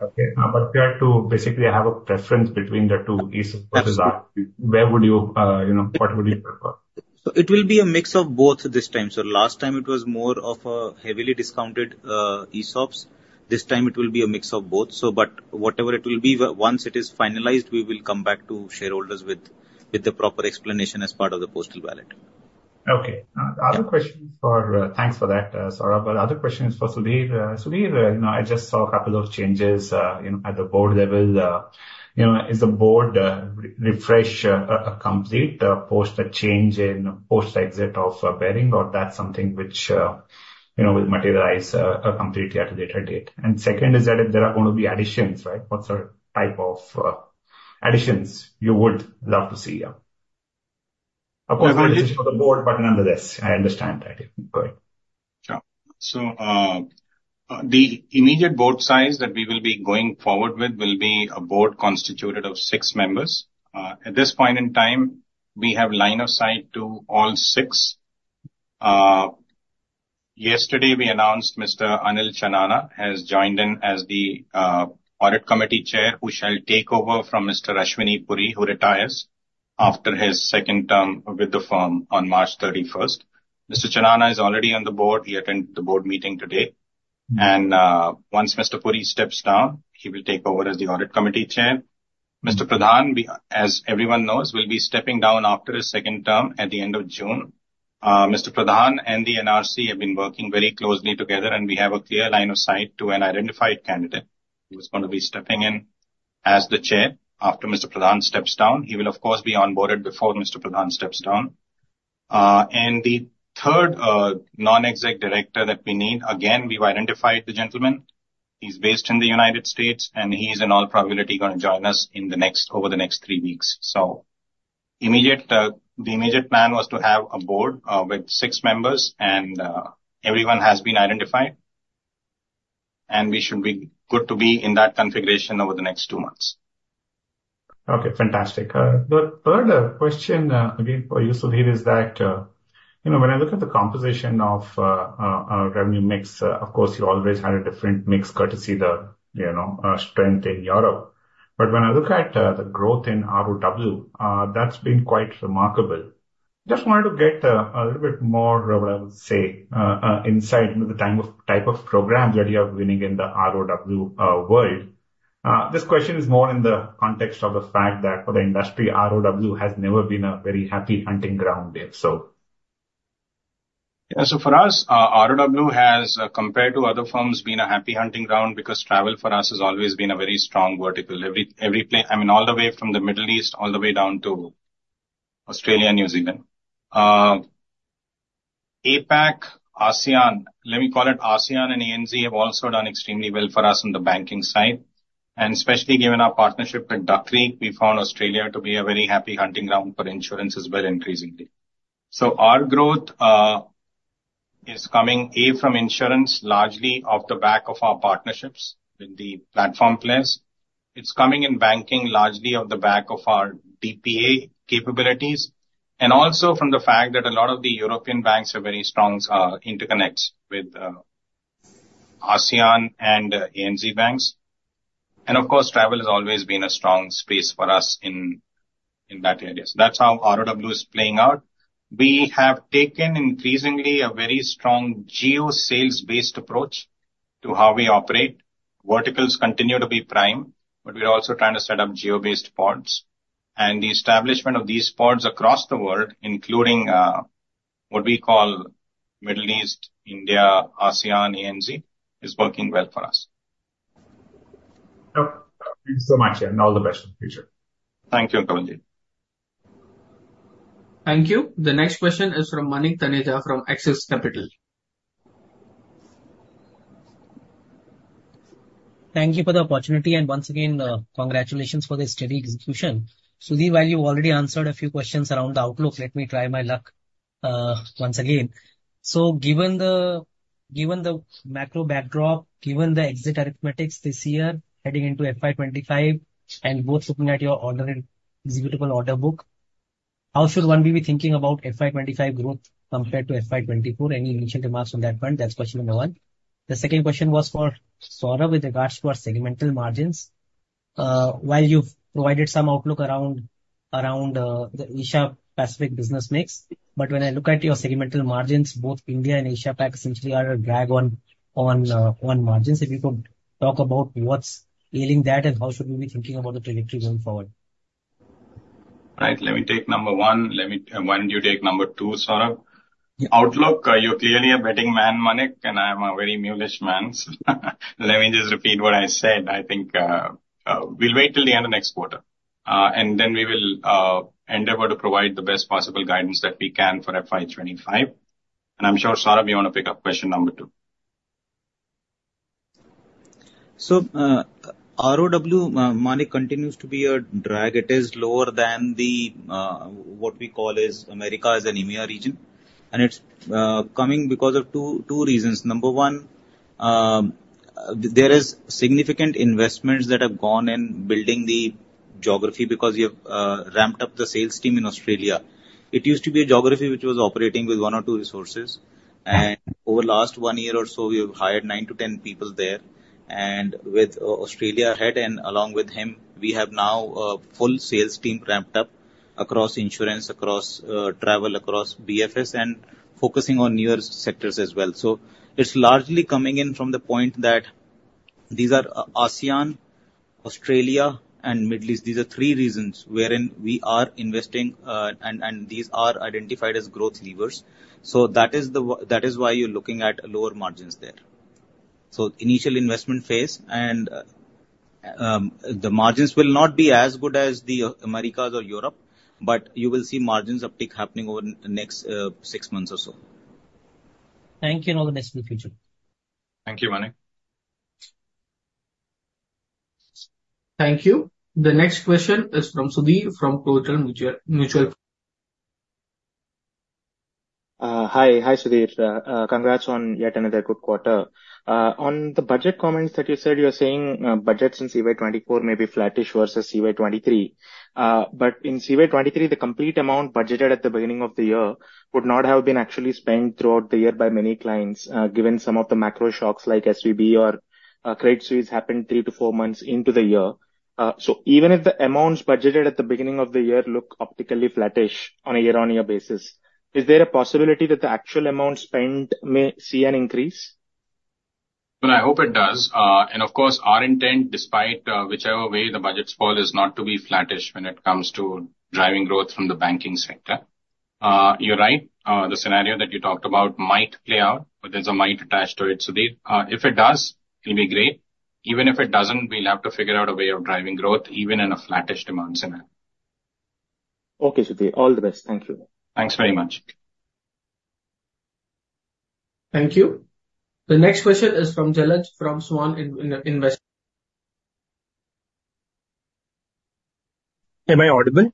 S14: Okay. You have to basically have a preference between the two ESOPs?
S5: Absolutely.
S14: Where would you, you know, what would you prefer?
S5: It will be a mix of both this time. Last time it was more of a heavily discounted ESOPs. This time it will be a mix of both. Whatever it will be, once it is finalized, we will come back to shareholders with, with the proper explanation as part of the postal ballot.
S14: Okay.
S5: Yeah.
S14: The other question is for. Thanks for that, Saurabh. Other question is for Sudhir. Sudhir, you know, I just saw a couple of changes, you know, at the Board level. You know, is the Board re-refresh, complete, post the change in post exit of Baring, or that's something which, you know, will materialize, completely at a later date? Second, is that if there are going to be additions, right, what's the type of, additions you would love to see here? Of course, for the board, but nonetheless, I understand that. Go ahead.
S3: Sure. The immediate Board size that we will be going forward with will be a Board constituted of six members. At this point in time, we have line of sight to all six. Yesterday, we announced Mr. Anil Chanana has joined in as the Audit Committee Chair, who shall take over from Mr. Ashwini Puri, who retires after his second term with the firm on March 31st. Mr. Chanana is already on the Board. He attended the board meeting today, and once Mr. Puri steps down, he will take over as the audit committee chair. Mr. Pradhan, be, as everyone knows, will be stepping down after his second term at the end of June. Mr. Pradhan and the NRC have been working very closely together, and we have a clear line of sight to an identified candidate, who is gonna be stepping in as the chair after Mr. Pradhan steps down. He will, of course, be onboarded before Mr. Pradhan steps down. The third, Non-Exec Director that we need, again, we've identified the gentleman. He's based in the United States, and he's in all probability gonna join us in the next, over the next three weeks. The immediate plan was to have a board, with six members and, everyone has been identified. We should be good to be in that configuration over the next two months.
S14: Okay, fantastic. The third question, again, for you, Sudhir, is that, you know, when I look at the composition of our revenue mix, of course, you always had a different mix courtesy the, you know, strength in Europe. When I look at the growth in ROW, that's been quite remarkable. Just wanted to get a little bit more, what I would say, insight into the type of, type of programs that you are winning in the ROW world. This question is more in the context of the fact that for the industry, ROW has never been a very happy hunting ground there, so?
S3: Yeah, so for us, ROW has, compared to other firms, been a happy hunting ground because travel for us has always been a very strong vertical. Every place, I mean, all the way from the Middle East, all the way down to Australia and New Zealand. APAC, ASEAN, let me call it ASEAN and ANZ, have also done extremely well for us on the banking side, and especially given our partnership with Duck Creek, we found Australia to be a very happy hunting ground for insurance as well, increasingly. Our growth is coming, A, from insurance, largely off the back of our partnerships with the platform players. It's coming in banking largely off the back of our DPA capabilities, and also from the fact that a lot of the European banks are very strong interconnects with ASEAN and ANZ banks. Of course, travel has always been a strong space for us in, in that area. That's how ROW is playing out. We have taken increasingly a very strong geo sales-based approach to how we operate. Verticals continue to be prime, but we're also trying to set up geo-based pods. The establishment of these pods across the world, including what we call Middle East, India, ASEAN, ANZ, is working well for us.
S14: Yep. Thank you so much, and all the best in the future.
S3: Thank you, Kawaljeet.
S1: Thank you. The next question is from Manik Taneja, from Axis Capital.
S15: Thank you for the opportunity, and once again, congratulations for the steady execution. Sudhir, while you've already answered a few questions around the outlook, let me try my luck, once again. Given the macro backdrop, given the exit arithmetic this year, heading into FY 2025, and both looking at your order and executable order book, how should one be thinking about FY 2025 growth compared to FY 2024? Any initial remarks on that front? That's question number one. The second question was for Saurabh with regards to our segmental margins. While you've provided some outlook around the Asia Pacific business mix, but when I look at your segmental margins, both India and Asia Pac essentially are a drag on margins. If you could talk about what's ailing that, and how should we be thinking about the trajectory going forward?
S3: Right. Let me take number one. Why don't you take number two, Saurabh? Outlook, you're clearly a betting man, Manik, and I'm a very mulish man. Let me just repeat what I said. I think, we'll wait till the end of next quarter, and then we will, endeavor to provide the best possible guidance that we can for FY 2025. I'm sure, Saurabh, you want to pick up question number two.
S5: ROW, Manik, continues to be a drag. It is lower than the what we call is America as an EMEA region, and it's coming because of two reasons. Number one, there is significant investments that have gone in building the geography because we have ramped up the sales team in Australia. It used to be a geography which was operating with one or two resources, and over the last one year or so we have hired 9-10 people there. With Australia ahead, and along with him, we have now a full sales team ramped up across insurance, across travel, across BFS, and focusing on newer sectors as well. It's largely coming in from the point that these are ASEAN, Australia and Middle East. These are three reasons wherein we are investing, and these are identified as growth levers. That is why you're looking at lower margins there. Initial investment phase and, the margins will not be as good as the Americas or Europe, but you will see margins uptick happening over the next, six months or so.
S15: Thank you, and all the best in the future.
S3: Thank you, Manik.
S1: Thank you. The next question is from Sudheer from Kotak Mutual.
S16: Hi. Hi, Sudhir. Congrats on yet another good quarter. On the budget comments that you said, you were saying, budgets in CY 2024 may be flattish versus CY 2023. In CY 2023, the complete amount budgeted at the beginning of the year would not have been actually spent throughout the year by many clients, given some of the macro shocks like SVB or Credit Suisse happened 3 months-4 months into the year. Even if the amounts budgeted at the beginning of the year look optically flattish on a year-on-year basis, is there a possibility that the actual amount spent may see an increase?
S3: Well, I hope it does. Of course, our intent, despite whichever way the budgets fall, is not to be flattish when it comes to driving growth from the banking sector. You're right, the scenario that you talked about might play out, but there's a might attached to it, Sudheer. If it does, it'll be great. Even if it doesn't, we'll have to figure out a way of driving growth, even in a flattish demand scenario.
S16: Okay, Sudhir. All the best. Thank you.
S3: Thanks very much.
S1: Thank you. The next question is from Jalaj from Svan Investments.
S17: Am I audible?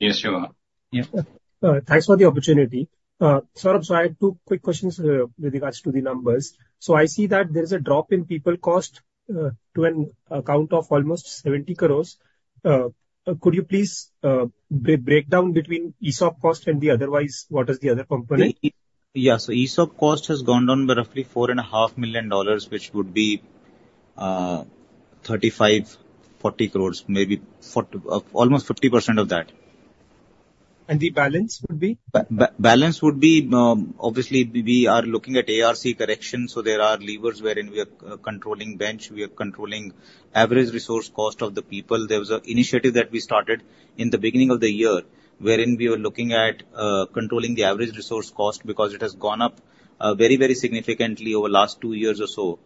S3: Yes, you are.
S17: Yeah. Thanks for the opportunity. Saurabh, I have 2 quick questions with regards to the numbers. I see that there is a drop in people cost to an account of almost 70 crore. Could you please break down between ESOP cost and the otherwise, what is the other component?
S5: Yeah. ESOP cost has gone down by roughly $4.5 million, which would be 35 crores-40 crores, maybe 40%, almost 50% of that.
S17: The balance would be?
S5: Balance would be, obviously, we are looking at ARC correction, so there are levers wherein we are controlling bench, we are controlling average resource cost of the people. There was an initiative that we started in the beginning of the year, wherein we were looking at controlling the average resource cost, because it has gone up very, very significantly over the last two years or so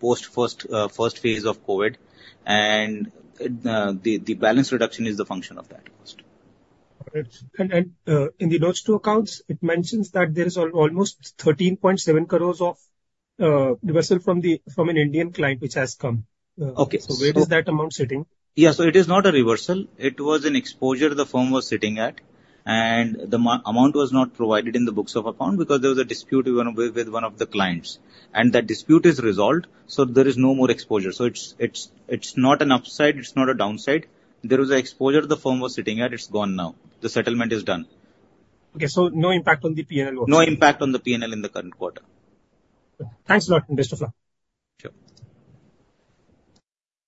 S5: post first phase of COVID. Tthe balance reduction is the function of that cost.
S17: Got it. In the notes to accounts, it mentions that there is almost 13.7 crores of reversal from an Indian client, which has come.
S5: Okay.
S17: Where is that amount sitting?
S5: Yeah, so it is not a reversal. It was an exposure the firm was sitting at, and the amount was not provided in the books of account because there was a dispute with one of the clients. That dispute is resolved, so there is no more exposure. It's not an upside, it's not a downside. There was an exposure the firm was sitting at, it's gone now. The settlement is done.
S17: Okay, so no impact on the PNL also?
S5: No impact on the PNL in the current quarter.
S17: Thanks a lot, and best of luck.
S5: Sure.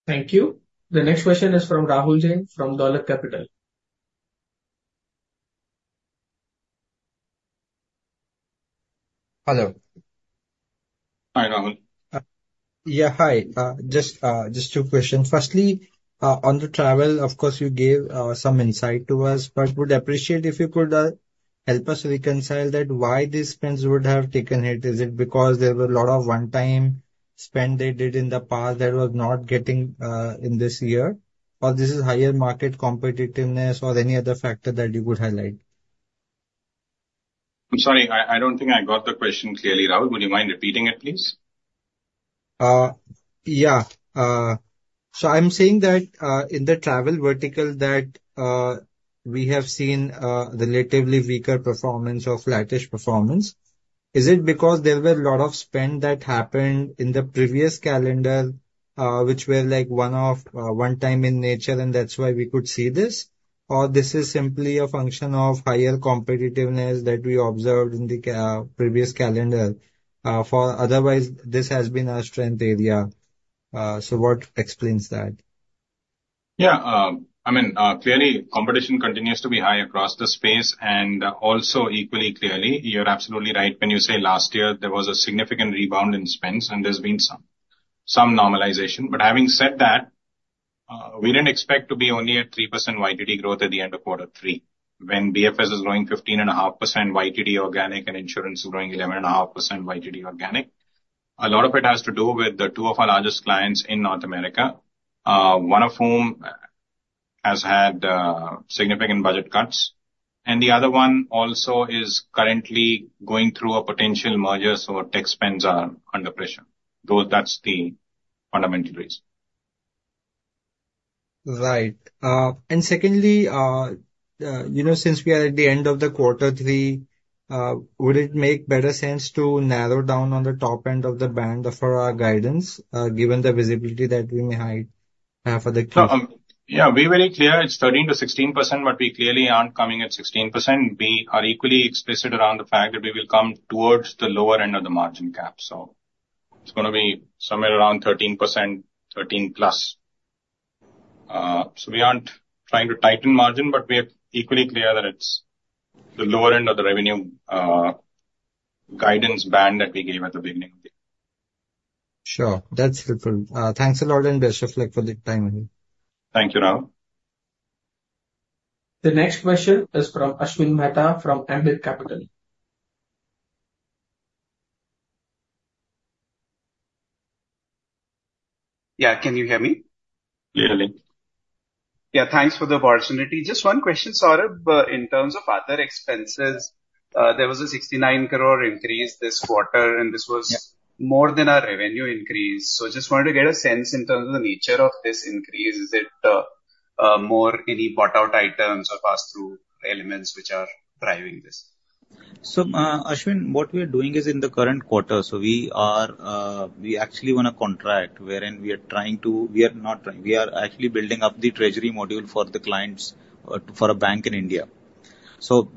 S1: Thank you. The next question is from Rahul Jain, from Dolat Capital.
S18: Hello.
S2: Hi, Rahul.
S18: Yeah, hi. Just two questions. Firstly, on the travel, of course, you gave some insight to us, but would appreciate if you could help us reconcile that why these spends would have taken hit? Is it because there were a lot of one-time spend they did in the past that was not getting in this year, or this is higher market competitiveness or any other factor that you would highlight?
S3: I'm sorry, I don't think I got the question clearly, Rahul. Would you mind repeating it, please?
S18: Yeah. I'm saying that in the travel vertical that we have seen relatively weaker performance or flattish performance. Is it because there were a lot of spend that happened in the previous calendar, which were like one-off, one time in nature, and that's why we could see this? Or this is simply a function of higher competitiveness that we observed in the previous calendar? For otherwise, this has been our strength area. What explains that?
S3: Yeah, I mean, clearly, competition continues to be high across the space, and also equally clearly, you're absolutely right when you say last year there was a significant rebound in spends, and there's been some, some normalization. Having said that, we didn't expect to be only at 3% YTD growth at the end of quarter three, when BFS is growing 15.5% YTD organic and insurance is growing 11.5% YTD organic. A lot of it has to do with the two of our largest clients in North America, one of whom has had significant budget cuts, and the other one also is currently going through a potential merger, so tech spends are under pressure, though that's the fundamental reason.
S18: Right. Secondly, you know, since we are at the end of the quarter three, would it make better sense to narrow down on the top end of the band for our guidance, given the visibility that we may have for the future?
S3: Yeah, we're very clear it's 13%-16%, but we clearly aren't coming at 16%. We are equally explicit around the fact that we will come towards the lower end of the margin cap. It's gonna be somewhere around 13%, 13%+. We aren't trying to tighten margin, but we are equally clear that it's the lower end of the revenue guidance band that we gave at the beginning of the year.
S18: Sure. That's helpful. Thanks a lot, and best of luck for the time ahead.
S3: Thank you, Rahul.
S1: The next question is from Ashwin Mehta, from Ambit Capital.
S19: Yeah. Can you hear me?
S3: Clearly.
S19: Yeah. Thanks for the opportunity. Just one question, Saurabh. In terms of other expenses, there was a 69 crore increase this quarter, and this was-more than our revenue increase. Just wanted to get a sense in terms of the nature of this increase. Is it more any bought out items or pass-through elements which are driving this?
S5: Ashwin, what we are doing is in the current quarter, so we are, we actually won a contract wherein we are trying to. We are not trying, we are actually building up the treasury module for the clients, for a bank in India.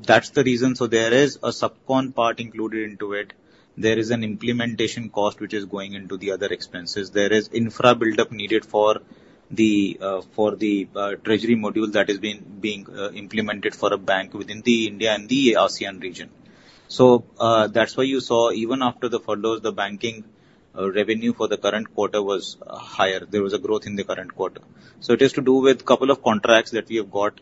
S5: That's the reason. There is a subcon part included into it. There is an implementation cost, which is going into the other expenses. There is infra buildup needed for the, for the, treasury module that is being implemented for a bank within the India and the ASEAN region. That's why you saw even after the furloughs, the banking, revenue for the current quarter was, higher. There was a growth in the current quarter. It is to do with couple of contracts that we have got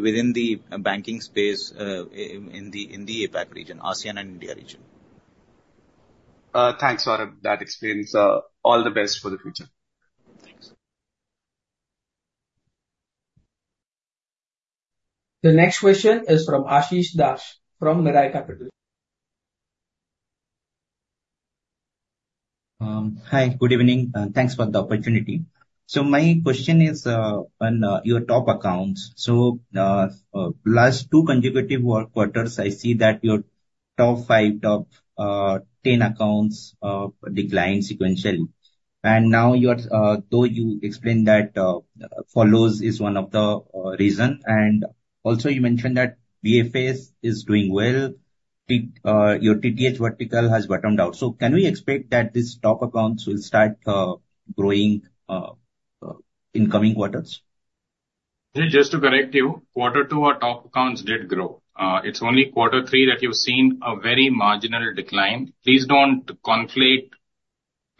S5: within the banking space, in the APAC region, ASEAN and India region.
S19: Thanks, Saurabh. That explains. All the best for the future.
S5: Thanks.
S1: The next question is from Ashish Das, from Mirae Asset Capital.
S20: Hi, good evening, thanks for the opportunity. My question is on your top accounts. Last two consecutive quarters, I see that your top five, top 10 accounts declined sequentially. Now you are, though you explained that, furloughs is one of the reason, and also you mentioned that BFS is doing well, your TTH vertical has bottomed out. Can we expect that these top accounts will start growing in coming quarters?
S3: Just to correct you, quarter two, our top accounts did grow. It's only quarter three that you've seen a very marginal decline. Please don't conflate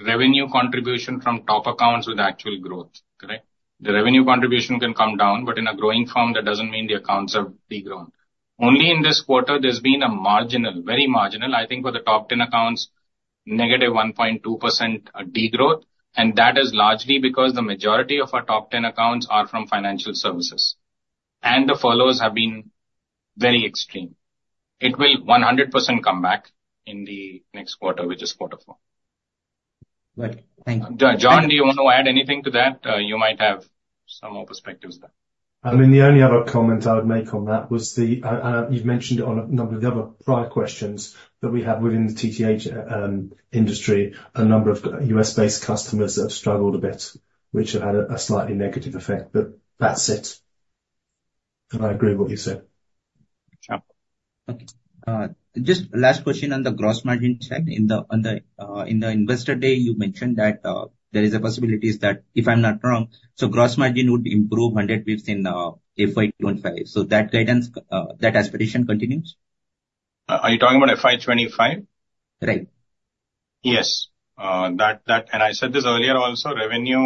S3: revenue contribution from top accounts with actual growth. Correct? The revenue contribution can come down, but in a growing firm, that doesn't mean the accounts have degrown. Only in this quarter there's been a marginal, very marginal, I think for the top 10 accounts, -1.2% degrowth, and that is largely because the majority of our top 10 accounts are from financial services, and the furloughs have been very extreme. It will 100% come back in the next quarter, which is quarter four.
S20: Right. Thank you.
S3: John, do you want to add anything to that? You might have some more perspectives there.
S4: I mean, the only other comment I would make on that was the, you've mentioned it on a number of the other prior questions, that we have within the TTH industry, a number of, U.S.-based customers that have struggled a bit, which have had a, a slightly negative effect, but that's it. I agree with what you said.
S3: Sure.
S20: Okay. Just last question on the gross margin side. In the investor day, you mentioned that there is a possibilities that, if I'm not wrong, so gross margin would improve 100 bps in FY 2025. That guidance, that aspiration continues?
S3: Are you talking about FY 2025?
S20: Right.
S3: Yes. I said this earlier, also, revenue,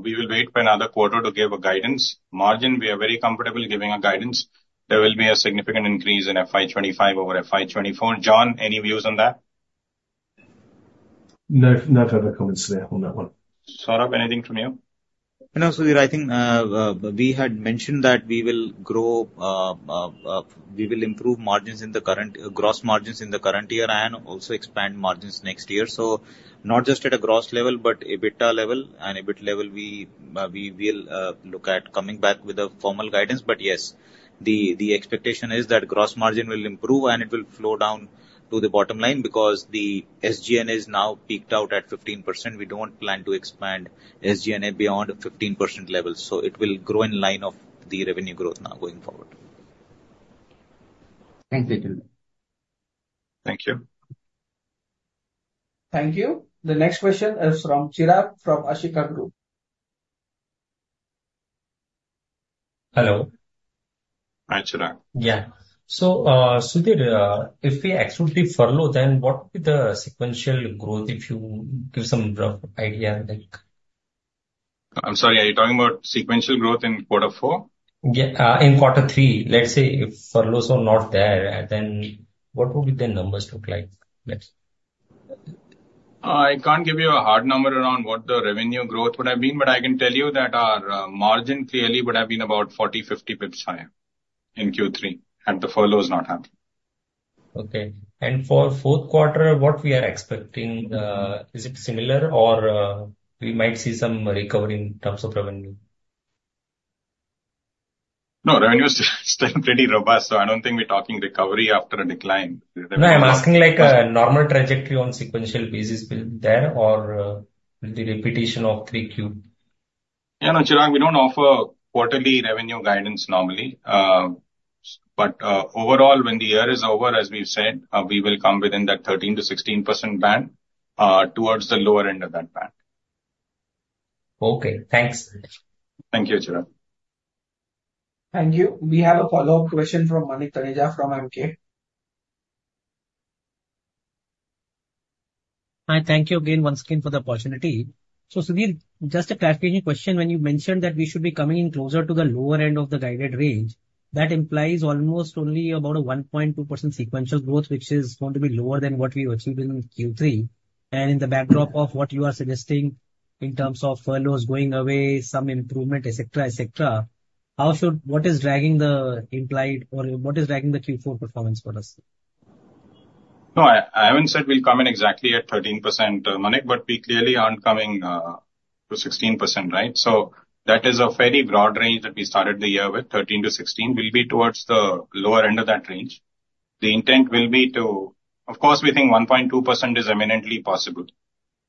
S3: we will wait for another quarter to give a guidance. Margin, we are very comfortable giving a guidance. There will be a significant increase in FY 2025 over FY 2024. John, any views on that?
S4: No, no further comments there on that one.
S3: Saurabh, anything from you?
S5: No, Sudhir, I think, we had mentioned that we will grow, we will improve margins in the current, gross margins in the current year and also expand margins next year. Not just at a gross level, but EBITDA level and EBIT level, we, we will, look at coming back with a formal guidance. Yes, the, the expectation is that gross margin will improve, and it will flow down to the bottom line because the SG&A is now peaked out at 15%. We don't plan to expand SG&A beyond a 15% level, so it will grow in line of the revenue growth now going forward.
S20: Thank you.
S3: Thank you.
S1: Thank you. The next question is from Chirag, from Ashika Group.
S21: Hello.
S3: Hi, Chirag.
S21: Yeah. Sudhir, if we exclude the furlough, then what would be the sequential growth, if you give some rough idea, like?
S3: I'm sorry, are you talking about sequential growth in quarter four?
S21: Yeah, in quarter three. Let's say if furloughs are not there, then what would the numbers look like? Next.
S3: I can't give you a hard number on what the revenue growth would have been, but I can tell you that our margin clearly would have been about 40, 50 bps higher in Q3 had the furloughs not happened.
S21: Okay. For fourth quarter, what we are expecting, is it similar or, we might see some recovery in terms of revenue?
S3: No, revenue is still pretty robust, so I don't think we're talking recovery after a decline.
S21: No, I'm asking, like, a normal trajectory on sequential basis build there or, will the repetition of 3Q?
S3: Yeah, no, Chirag, we don't offer quarterly revenue guidance normally. Overall, when the year is over, as we've said, we will come within that 13%-16% band, towards the lower end of that band.
S21: Okay, thanks.
S3: Thank you, Chirag.
S1: Thank you. We have a follow-up question from Manik Taneja from Axis Capital.
S15: Hi, thank you again, once again for the opportunity. Sudhir, just a clarification question, when you mentioned that we should be coming in closer to the lower end of the guided range, that implies almost only about a 1.2% sequential growth, which is going to be lower than what we achieved in Q3. In the backdrop of what you are suggesting in terms of furloughs going away, some improvement, et cetera, et cetera, how should, what is dragging the implied or what is dragging the Q4 performance for us?
S3: No, I haven't said we'll come in exactly at 13%, Manik, but we clearly aren't coming to 16%, right? That is a very broad range that we started the year with, 13%-16%. We'll be towards the lower end of that range. The intent will be to, of course, we think 1.2% is imminently possible,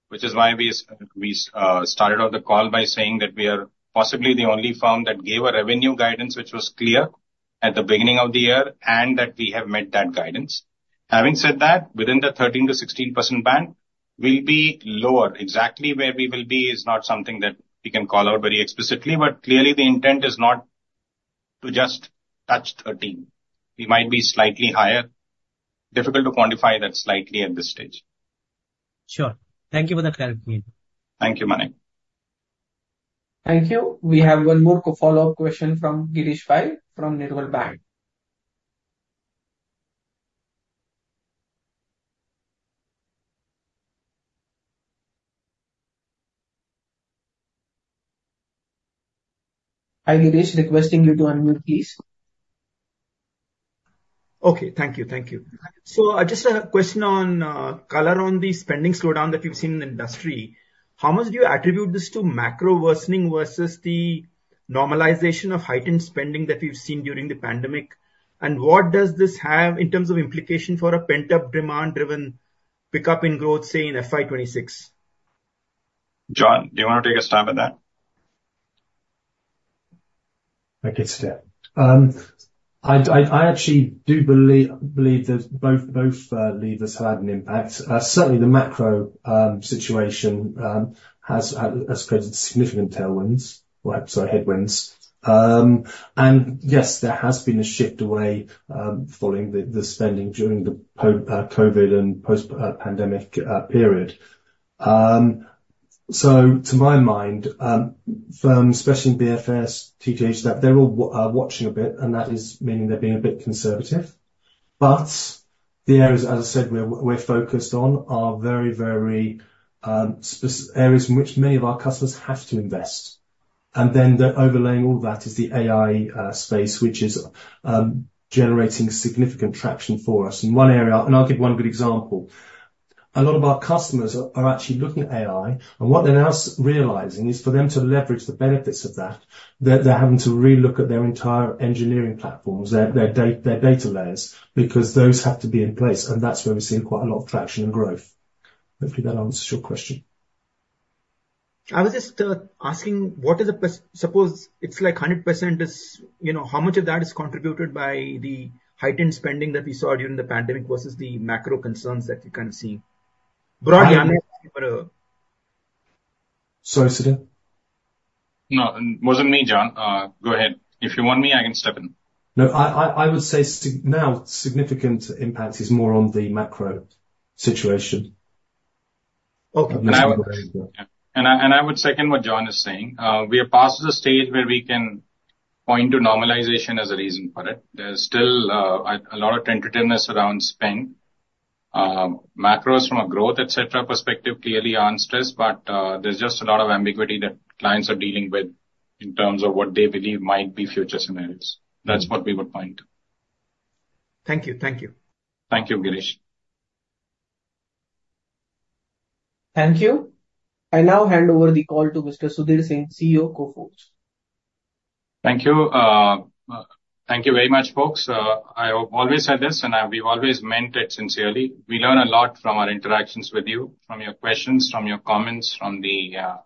S3: which is why we started off the call by saying that we are possibly the only firm that gave a revenue guidance, which was clear at the beginning of the year, and that we have met that guidance. Having said that, within the 13%-16% band, we'll be lower. Exactly where we will be is not something that we can call out very explicitly, but clearly, the intent is not to just touch 13%. We might be slightly higher. Difficult to quantify that slightly at this stage.
S15: Sure. Thank you for that clarity.
S3: Thank you, Manik.
S1: Thank you. We have one more follow-up question from Girish Pai from Nirmal Bang. Hi, Girish, requesting you to unmute, please.
S9: Okay, thank you. Thank you. Just a question on color on the spending slowdown that we've seen in the industry. How much do you attribute this to macro worsening versus the normalization of heightened spending that we've seen during the pandemic? What does this have in terms of implication for a pent-up, demand-driven pickup in growth, say, in FY 2026?
S3: John, do you want to take a stab at that?
S4: I can start. I'd actually do believe that both levers have had an impact. Certainly the macro situation has created significant tailwinds, well, sorry, headwinds. Yes, there has been a shift away following the spending during the post-COVID and post-pandemic period. To my mind, firms, especially in BFS, TTH, they're all watching a bit, and that is meaning they're being a bit conservative. The areas, as I said, we're focused on are very specific areas in which many of our customers have to invest. And then the overlaying all that is the AI space, which is generating significant traction for us. In one area, and I'll give one good example, a lot of our customers are actually looking at AI, and what they're now realizing is for them to leverage the benefits of that, they're having to relook at their entire engineering platforms, their data layers, because those have to be in place, and that's where we're seeing quite a lot of traction and growth. Hopefully, that answers your question.
S9: I was just asking, what is the, suppose it's like 100% is, you know, how much of that is contributed by the heightened spending that we saw during the pandemic versus the macro concerns that you can see? Broadly, I mean, for a-
S4: Sorry, Sudhir.
S3: No, it wasn't me, John. Go ahead. If you want me, I can step in.
S4: No, I would say significant impact is more on the macro situation.
S9: Okay.
S3: I would second what John is saying. We are past the stage where we can point to normalization as a reason for it. There's still a lot of tentativeness around spend. Macros from a growth, et cetera, perspective, clearly are stressed, but there's just a lot of ambiguity that clients are dealing with in terms of what they believe might be future scenarios. That's what we would point to.
S9: Thank you. Thank you.
S3: Thank you, Girish.
S1: Thank you. I now hand over the call to Mr. Sudhir Singh, CEO, Coforge.
S3: Thank you. Thank you very much, folks. I have always said this, and we've always meant it sincerely. We learn a lot from our interactions with you, from your questions, from your comments, from the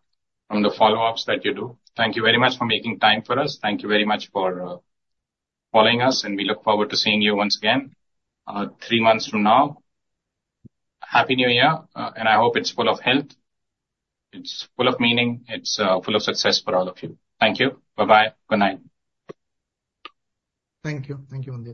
S3: follow-ups that you do. Thank you very much for making time for us. Thank you very much for following us, and we look forward to seeing you once again, three months from now. Happy New Year, and I hope it's full of health, it's full of meaning, it's full of success for all of you. Thank you. Bye-bye. Good night.
S2: Thank you. Thank you once again.